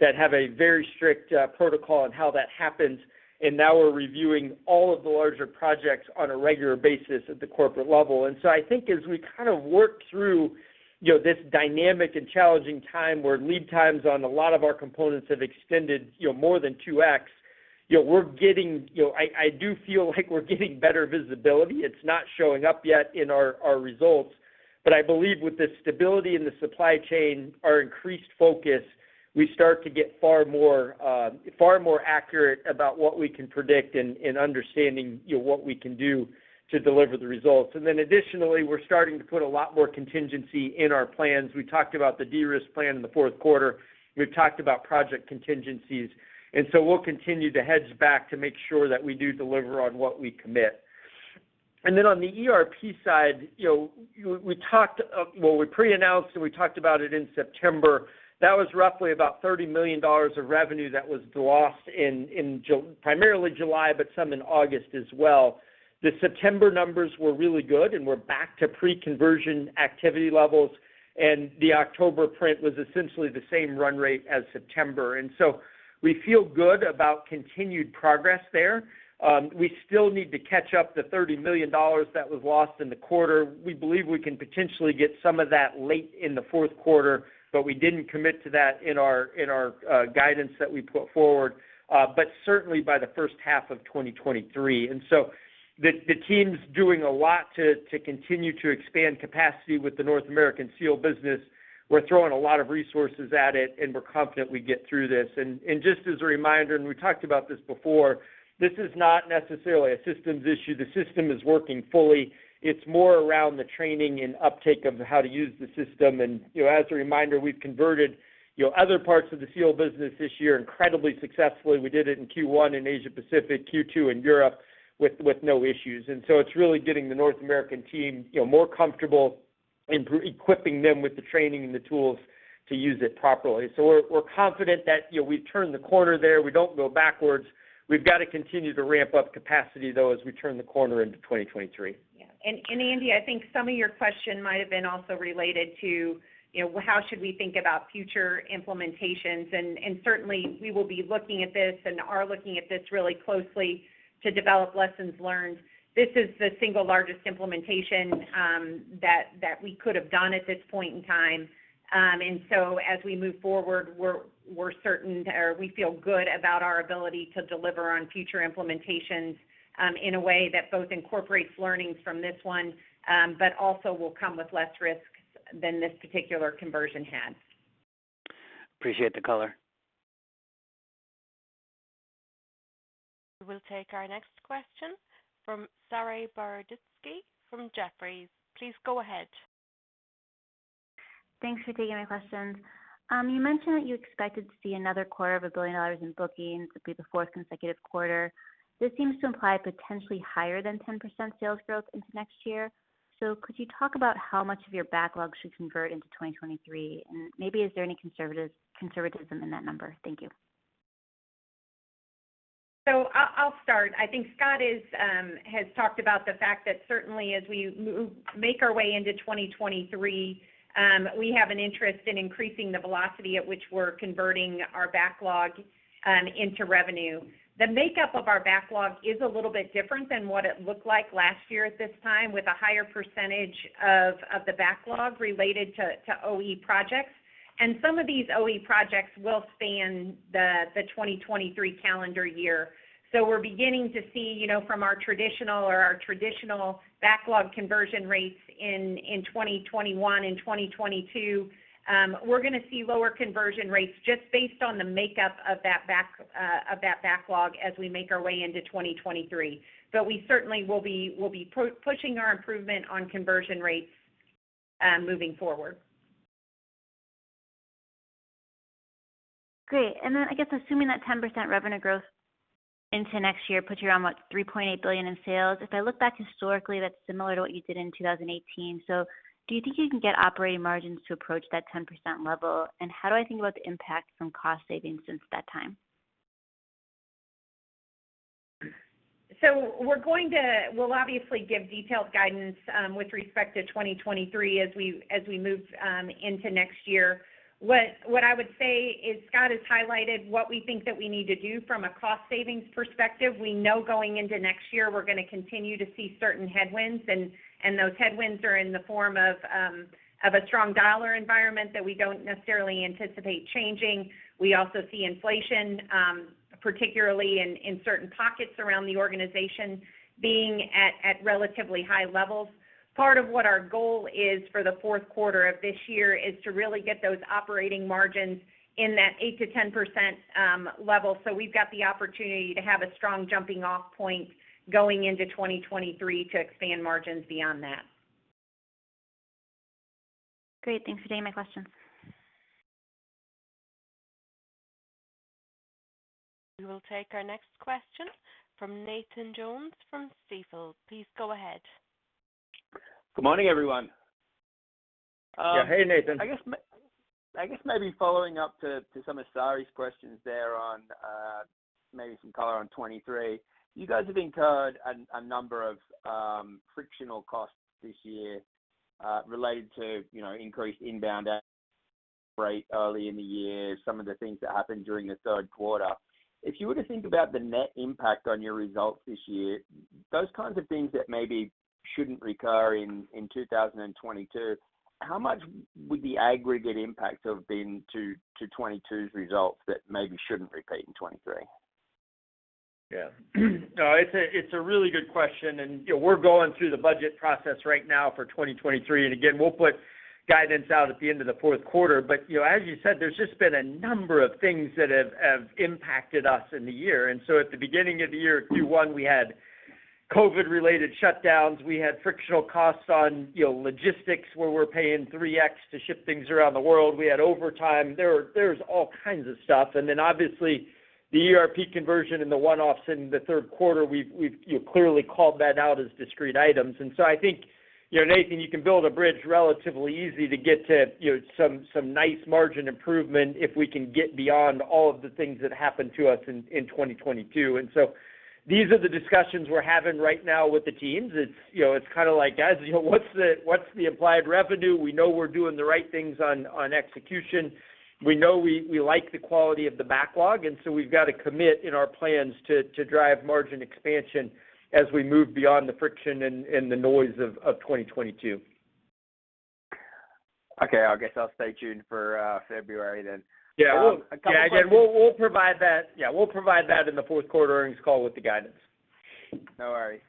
that have a very strict protocol on how that happens. Now we're reviewing all of the larger projects on a regular basis at the corporate level. I think as we kind of work through, you know, this dynamic and challenging time where lead times on a lot of our components have extended, you know, more than 2x, you know, we're getting better visibility. It's not showing up yet in our results, but I believe with the stability in the supply chain, our increased focus, we start to get far more accurate about what we can predict and understanding, you know, what we can do to deliver the results. Additionally, we're starting to put a lot more contingency in our plans. We talked about the de-risk plan in the Q4. We've talked about project contingencies. We'll continue to hedge back to make sure that we do deliver on what we commit. On the ERP side, you know, we talked, well, we pre-announced and we talked about it in September. That was roughly about $30 million of revenue that was lost in primarily July, but some in August as well. The September numbers were really good, and we're back to pre-conversion activity levels, and the October print was essentially the same run rate as September. We feel good about continued progress there. We still need to catch up the $30 million that was lost in the quarter. We believe we can potentially get some of that late in the Q4, but we didn't commit to that in our guidance that we put forward, but certainly by the first half of 2023. The team's doing a lot to continue to expand capacity with the North American seal business. We're throwing a lot of resources at it, and we're confident we get through this. Just as a reminder, we talked about this before, this is not necessarily a systems issue. The system is working fully. It's more around the training and uptake of how to use the system. You know, as a reminder, we've converted other parts of the seal business this year incredibly successfully. We did it in Q1 in Asia-Pacific, Q2 in Europe with no issues. It's really getting the North American team more comfortable. Equipping them with the training and the tools to use it properly. We're confident that, you know, we've turned the corner there. We don't go backwards. We've got to continue to ramp up capacity though, as we turn the corner into 2023. Yeah. Andy, I think some of your question might have been also related to, you know, how should we think about future implementations? Certainly we will be looking at this and are looking at this really closely to develop lessons learned. This is the single largest implementation that we could have done at this point in time. As we move forward, we're certain or we feel good about our ability to deliver on future implementations in a way that both incorporates learnings from this one, but also will come with less risks than this particular conversion had. Appreciate the color. We'll take our next question from Saree Boroditsky from Jefferies. Please go ahead. Thanks for taking my questions. You mentioned that you expected to see another quarter of a billion dollars in bookings. It'd be the fourth consecutive quarter. This seems to imply potentially higher than 10% sales growth into next year. Could you talk about how much of your backlog should convert into 2023? And maybe is there any conservatism in that number? Thank you. I'll start. I think Scott has talked about the fact that certainly as we make our way into 2023, we have an interest in increasing the velocity at which we're converting our backlog into revenue. The makeup of our backlog is a little bit different than what it looked like last year at this time, with a higher percentage of the backlog related to OE projects. Some of these OE projects will span the 2023 calendar year. We're beginning to see, you know, from our traditional backlog conversion rates in 2021 and 2022, we're gonna see lower conversion rates just based on the makeup of that backlog as we make our way into 2023. We certainly will be proactively pushing our improvement on conversion rates moving forward. Great. I guess assuming that 10% revenue growth into next year puts you around, what, $3.8 billion in sales. If I look back historically, that's similar to what you did in 2018. Do you think you can get operating margins to approach that 10% level? How do I think about the impact from cost savings since that time? We'll obviously give detailed guidance with respect to 2023 as we move into next year. What I would say is Scott has highlighted what we think that we need to do from a cost savings perspective. We know going into next year, we're gonna continue to see certain headwinds, and those headwinds are in the form of a strong dollar environment that we don't necessarily anticipate changing. We also see inflation, particularly in certain pockets around the organization being at relatively high levels. Part of what our goal is for the Q4 of this year is to really get those operating margins in that 8%-10% level. We've got the opportunity to have a strong jumping off point going into 2023 to expand margins beyond that. Great. Thanks for taking my question. We will take our next question from Nathan Jones from Stifel. Please go ahead. Good morning, everyone. Yeah. Hey, Nathan. I guess maybe following up to some of Saree's questions there on maybe some color on 2023. You guys have incurred a number of frictional costs this year related to, you know, increased inbound rate early in the year, some of the things that happened during the Q3. If you were to think about the net impact on your results this year, those kinds of things that maybe shouldn't recur in 2022, how much would the aggregate impact have been to 2022's results that maybe shouldn't repeat in 2023? Yeah. No, it's a really good question. You know, we're going through the budget process right now for 2023, and again, we'll put guidance out at the end of the Q4. You know, as you said, there's just been a number of things that have impacted us in the year. At the beginning of the year, Q1, we had COVID-related shutdowns. We had frictional costs on, you know, logistics, where we're paying 3x to ship things around the world. We had overtime. There was all kinds of stuff. Then obviously the ERP conversion and the one-offs in the Q3, we've you know, clearly called that out as discrete items. I think, you know, Nathan, you can build a bridge relatively easy to get to, you know, some nice margin improvement if we can get beyond all of the things that happened to us in 2022. These are the discussions we're having right now with the teams. It's, you know, it's kinda like guys, you know, what's the implied revenue? We know we're doing the right things on execution. We know we like the quality of the backlog, and so we've got to commit in our plans to drive margin expansion as we move beyond the friction and the noise of 2022. Okay. I guess I'll stay tuned for February then. Yeah. A couple questions. Yeah. Again, we'll provide that in the Q4 earnings call with the guidance. No worries.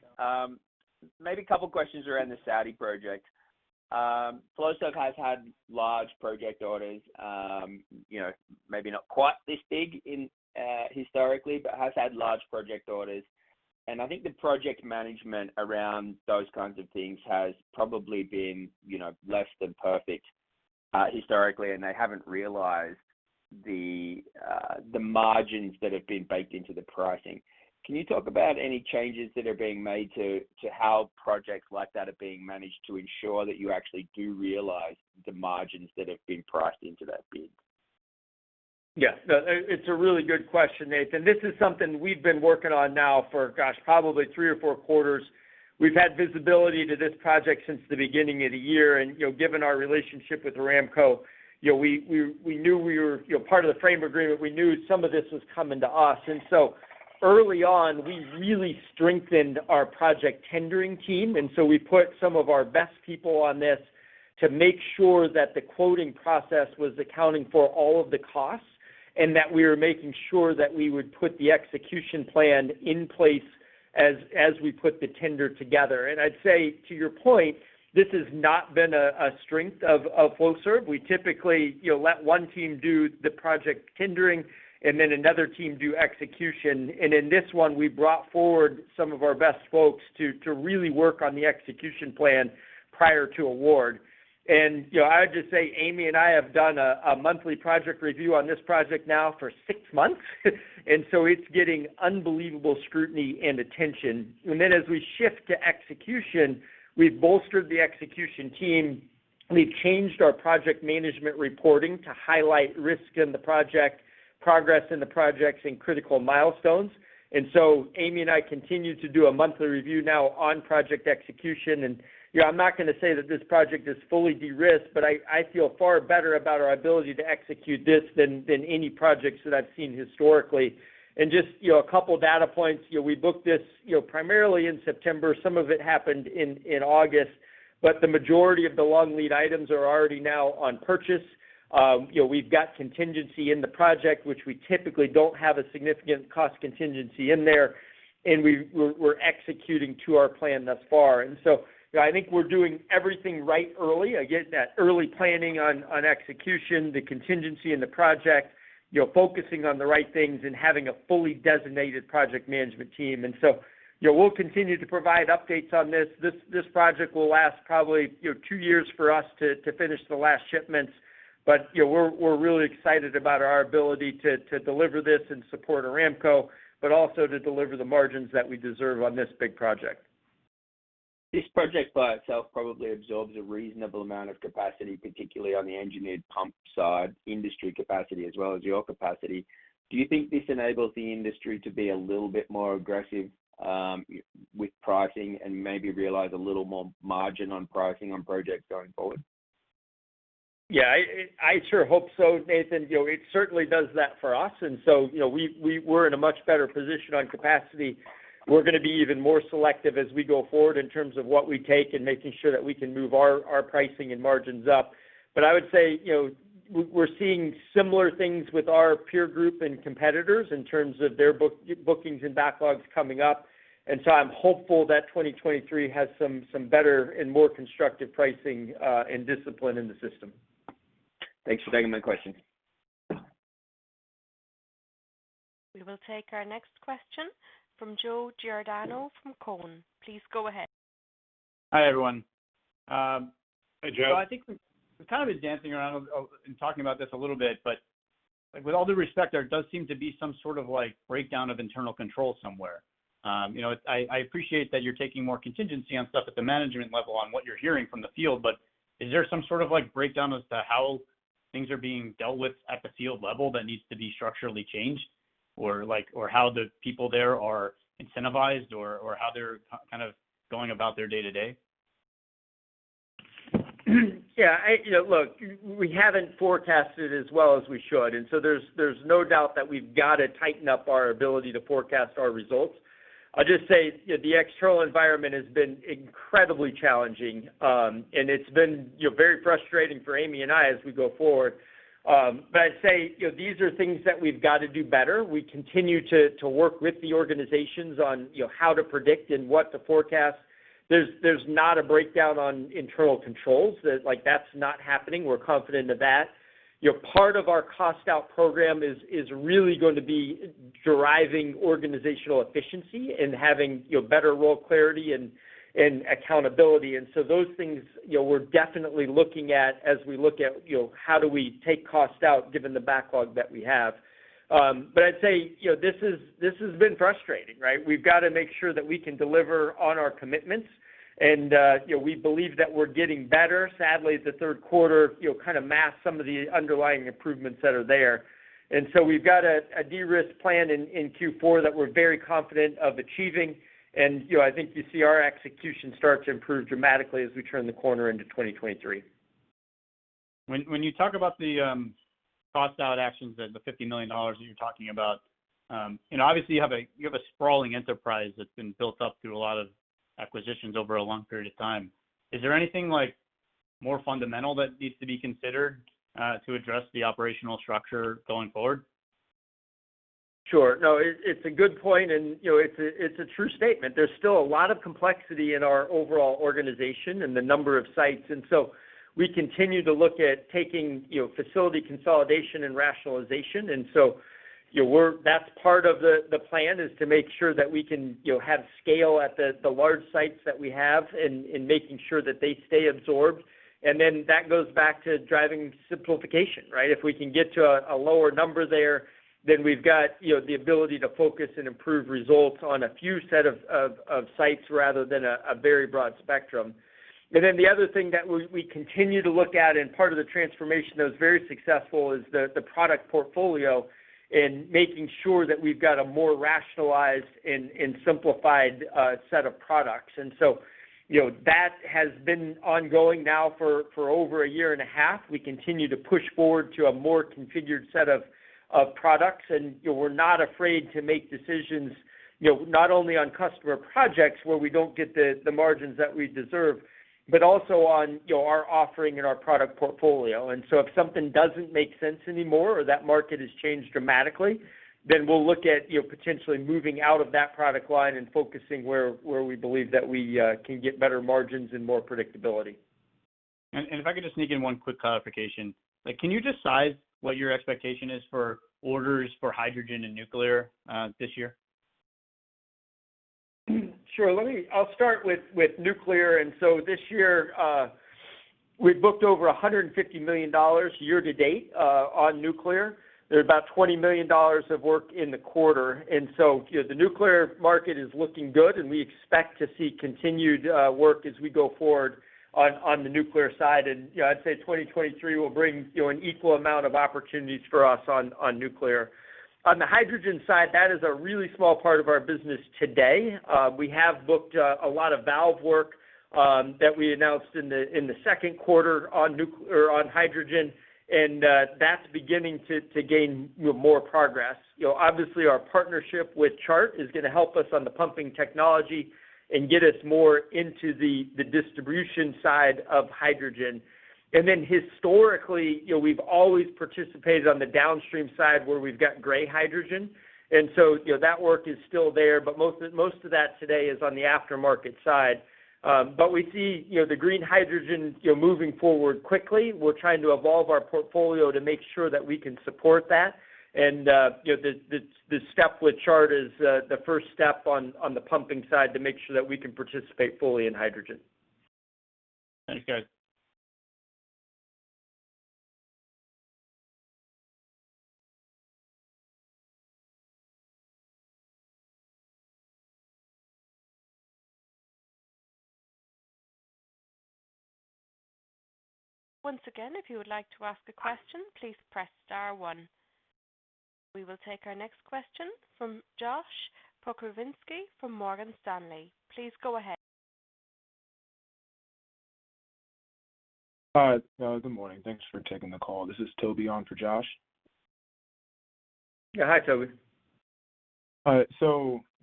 Maybe a couple questions around the Saudi project. Flowserve has had large project orders, you know, maybe not quite this big in historically, but has had large project orders. I think the project management around those kinds of things has probably been, you know, less than perfect historically, and they haven't realized the margins that have been baked into the pricing. Can you talk about any changes that are being made to how projects like that are being managed to ensure that you actually do realize the margins that have been priced into that bid? Yes. No, it's a really good question, Nathan. This is something we've been working on now for, gosh, probably three or four quarters. We've had visibility to this project since the beginning of the year, and, you know, given our relationship with Aramco, you know, we knew we were, you know, part of the frame agreement. We knew some of this was coming to us. Early on, we really strengthened our project tendering team. We put some of our best people on this to make sure that the quoting process was accounting for all of the costs, and that we were making sure that we would put the execution plan in place as we put the tender together. I'd say, to your point, this has not been a strength of Flowserve. We typically, you know, let one team do the project tendering and then another team do execution. In this one, we brought forward some of our best folks to really work on the execution plan prior to award. You know, I would just say Amy and I have done a monthly project review on this project now for six months, and so it's getting unbelievable scrutiny and attention. As we shift to execution, we've bolstered the execution team. We've changed our project management reporting to highlight risk in the project, progress in the projects, and critical milestones. Amy and I continue to do a monthly review now on project execution. You know, I'm not gonna say that this project is fully de-risked, but I feel far better about our ability to execute this than any projects that I've seen historically. Just, you know, a couple data points. You know, we booked this, you know, primarily in September. Some of it happened in August, but the majority of the long lead items are already now on purchase. You know, we've got contingency in the project, which we typically don't have a significant cost contingency in there, and we're executing to our plan thus far. You know, I think we're doing everything right early. Again, that early planning on execution, the contingency in the project, you know, focusing on the right things and having a fully designated project management team. You know, we'll continue to provide updates on this. This project will last probably, you know, two years for us to finish the last shipments. You know, we're really excited about our ability to deliver this and support Aramco, but also to deliver the margins that we deserve on this big project. This project by itself probably absorbs a reasonable amount of capacity, particularly on the engineered pump side, industry capacity as well as your capacity. Do you think this enables the industry to be a little bit more aggressive, with pricing and maybe realize a little more margin on pricing on projects going forward? Yeah, I sure hope so, Nathan. You know, it certainly does that for us. You know, we're in a much better position on capacity. We're gonna be even more selective as we go forward in terms of what we take and making sure that we can move our pricing and margins up. I would say, you know, we're seeing similar things with our peer group and competitors in terms of their bookings and backlogs coming up. I'm hopeful that 2023 has some better and more constructive pricing and discipline in the system. Thanks for taking my question. We will take our next question from Joe Giordano from TD Cowen. Please go ahead. Hi, everyone. Hey, Joe. I think we've kind of been dancing around in talking about this a little bit, but with all due respect, there does seem to be some sort of, like, breakdown of internal control somewhere. You know, I appreciate that you're taking more contingency on stuff at the management level on what you're hearing from the field, but is there some sort of, like, breakdown as to how things are being dealt with at the field level that needs to be structurally changed? Or like, how the people there are incentivized or how they're kind of going about their day-to-day? You know, look, we haven't forecasted as well as we should. There's no doubt that we've got to tighten up our ability to forecast our results. I'll just say, you know, the external environment has been incredibly challenging. It's been, you know, very frustrating for Amy and I as we go forward. I'd say, you know, these are things that we've got to do better. We continue to work with the organizations on, you know, how to predict and what to forecast. There's not a breakdown on internal controls. That's not happening. We're confident of that. You know, part of our cost out program is really going to be deriving organizational efficiency and having, you know, better role clarity and accountability. Those things, you know, we're definitely looking at as we look at, you know, how do we take costs out given the backlog that we have. I'd say, you know, this has been frustrating, right? We've got to make sure that we can deliver on our commitments. We believe that we're getting better. Sadly, the Q3, you know, kind of masked some of the underlying improvements that are there. We've got a de-risk plan in Q4 that we're very confident of achieving. You know, I think you see our execution start to improve dramatically as we turn the corner into 2023. When you talk about the cost out actions, the $50 million that you're talking about, you know, obviously you have a sprawling enterprise that's been built up through a lot of acquisitions over a long period of time. Is there anything, like, more fundamental that needs to be considered to address the operational structure going forward? Sure. No, it's a good point and, you know, it's a true statement. There's still a lot of complexity in our overall organization and the number of sites. We continue to look at taking, you know, facility consolidation and rationalization. You know, that's part of the plan is to make sure that we can, you know, have scale at the large sites that we have and making sure that they stay absorbed. That goes back to driving simplification, right? If we can get to a lower number there, then we've got, you know, the ability to focus and improve results on a few set of sites rather than a very broad spectrum. The other thing that we continue to look at, and part of the transformation that was very successful is the product portfolio and making sure that we've got a more rationalized and simplified set of products. That has been ongoing now for over a year and a half. We continue to push forward to a more configured set of products. We're not afraid to make decisions, you know, not only on customer projects where we don't get the margins that we deserve, but also on our offering and our product portfolio. If something doesn't make sense anymore or that market has changed dramatically, then we'll look at, you know, potentially moving out of that product line and focusing where we believe that we can get better margins and more predictability. If I could just sneak in one quick clarification. Like, can you just size what your expectation is for orders for hydrogen and nuclear, this year? Sure. Let me, I'll start with nuclear. This year, we've booked over $150 million year to date on nuclear. There are about $20 million of work in the quarter. You know, the nuclear market is looking good, and we expect to see continued work as we go forward on the nuclear side. You know, I'd say 2023 will bring, you know, an equal amount of opportunities for us on nuclear. On the hydrogen side, that is a really small part of our business today. We have booked a lot of valve work that we announced in the Q2 on hydrogen, and that's beginning to gain, you know, more progress. You know, obviously our partnership with Chart is gonna help us on the pumping technology and get us more into the distribution side of hydrogen. Then historically, you know, we've always participated on the downstream side where we've got gray hydrogen. You know, that work is still there, but most of that today is on the aftermarket side. We see, you know, the green hydrogen moving forward quickly. We're trying to evolve our portfolio to make sure that we can support that. You know, the step with Chart is the first step on the pumping side to make sure that we can participate fully in hydrogen. Thanks, guys. Once again, if you would like to ask a question, please press star one. We will take our next question from Josh Pokrzywinski from Morgan Stanley. Please go ahead. Hi. Good morning. Thanks for taking the call. This is Toby on for Josh. Yeah. Hi, Toby.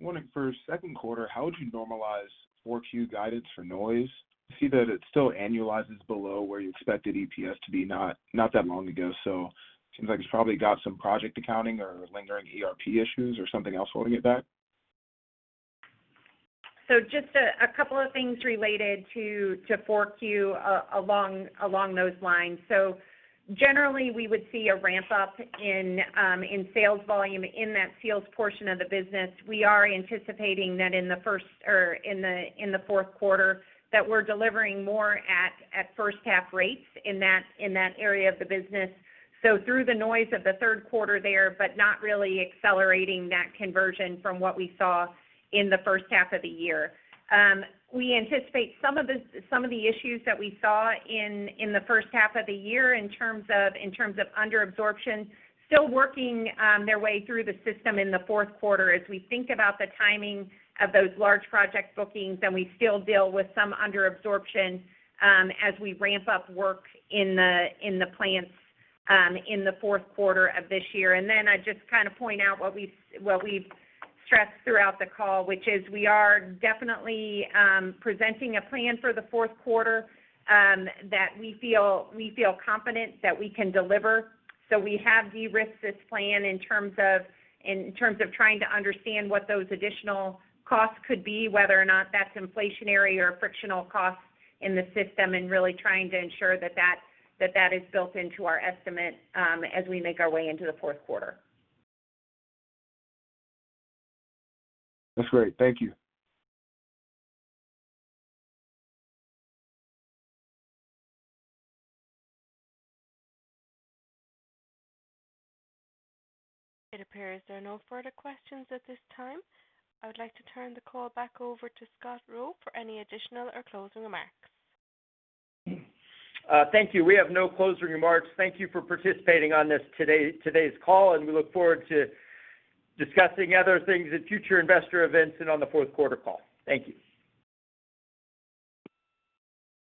Wondering for Q2, how would you normalize four Q guidance for noise? I see that it still annualizes below where you expected EPS to be not that long ago. Seems like it's probably got some project accounting or lingering ERP issues or something else holding it back. Just a couple of things related to Q4 along those lines. Generally, we would see a ramp-up in sales volume in that seals portion of the business. We are anticipating that in the Q4, that we're delivering more at first-half rates in that area of the business. Through the noise of the Q3 there, but not really accelerating that conversion from what we saw in the first half of the year. We anticipate some of the issues that we saw in the first half of the year in terms of under absorption, still working their way through the system in the Q4 as we think about the timing of those large project bookings, and we still deal with some under absorption as we ramp up work in the plants in the Q4 of this year. Then I'd just kind of point out what we've stressed throughout the call, which is we are definitely presenting a plan for the Q4 that we feel confident that we can deliver. We have de-risked this plan in terms of trying to understand what those additional costs could be, whether or not that's inflationary or frictional costs in the system, and really trying to ensure that that is built into our estimate, as we make our way into the Q4. That's great. Thank you. It appears there are no further questions at this time. I would like to turn the call back over to Scott Rowe for any additional or closing remarks. Thank you. We have no closing remarks. Thank you for participating on this, today's call, and we look forward to discussing other things at future investor events and on the Q4 call. Thank you.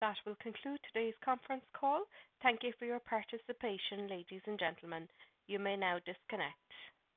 That will conclude today's conference call. Thank you for your participation, ladies and gentlemen. You may now disconnect.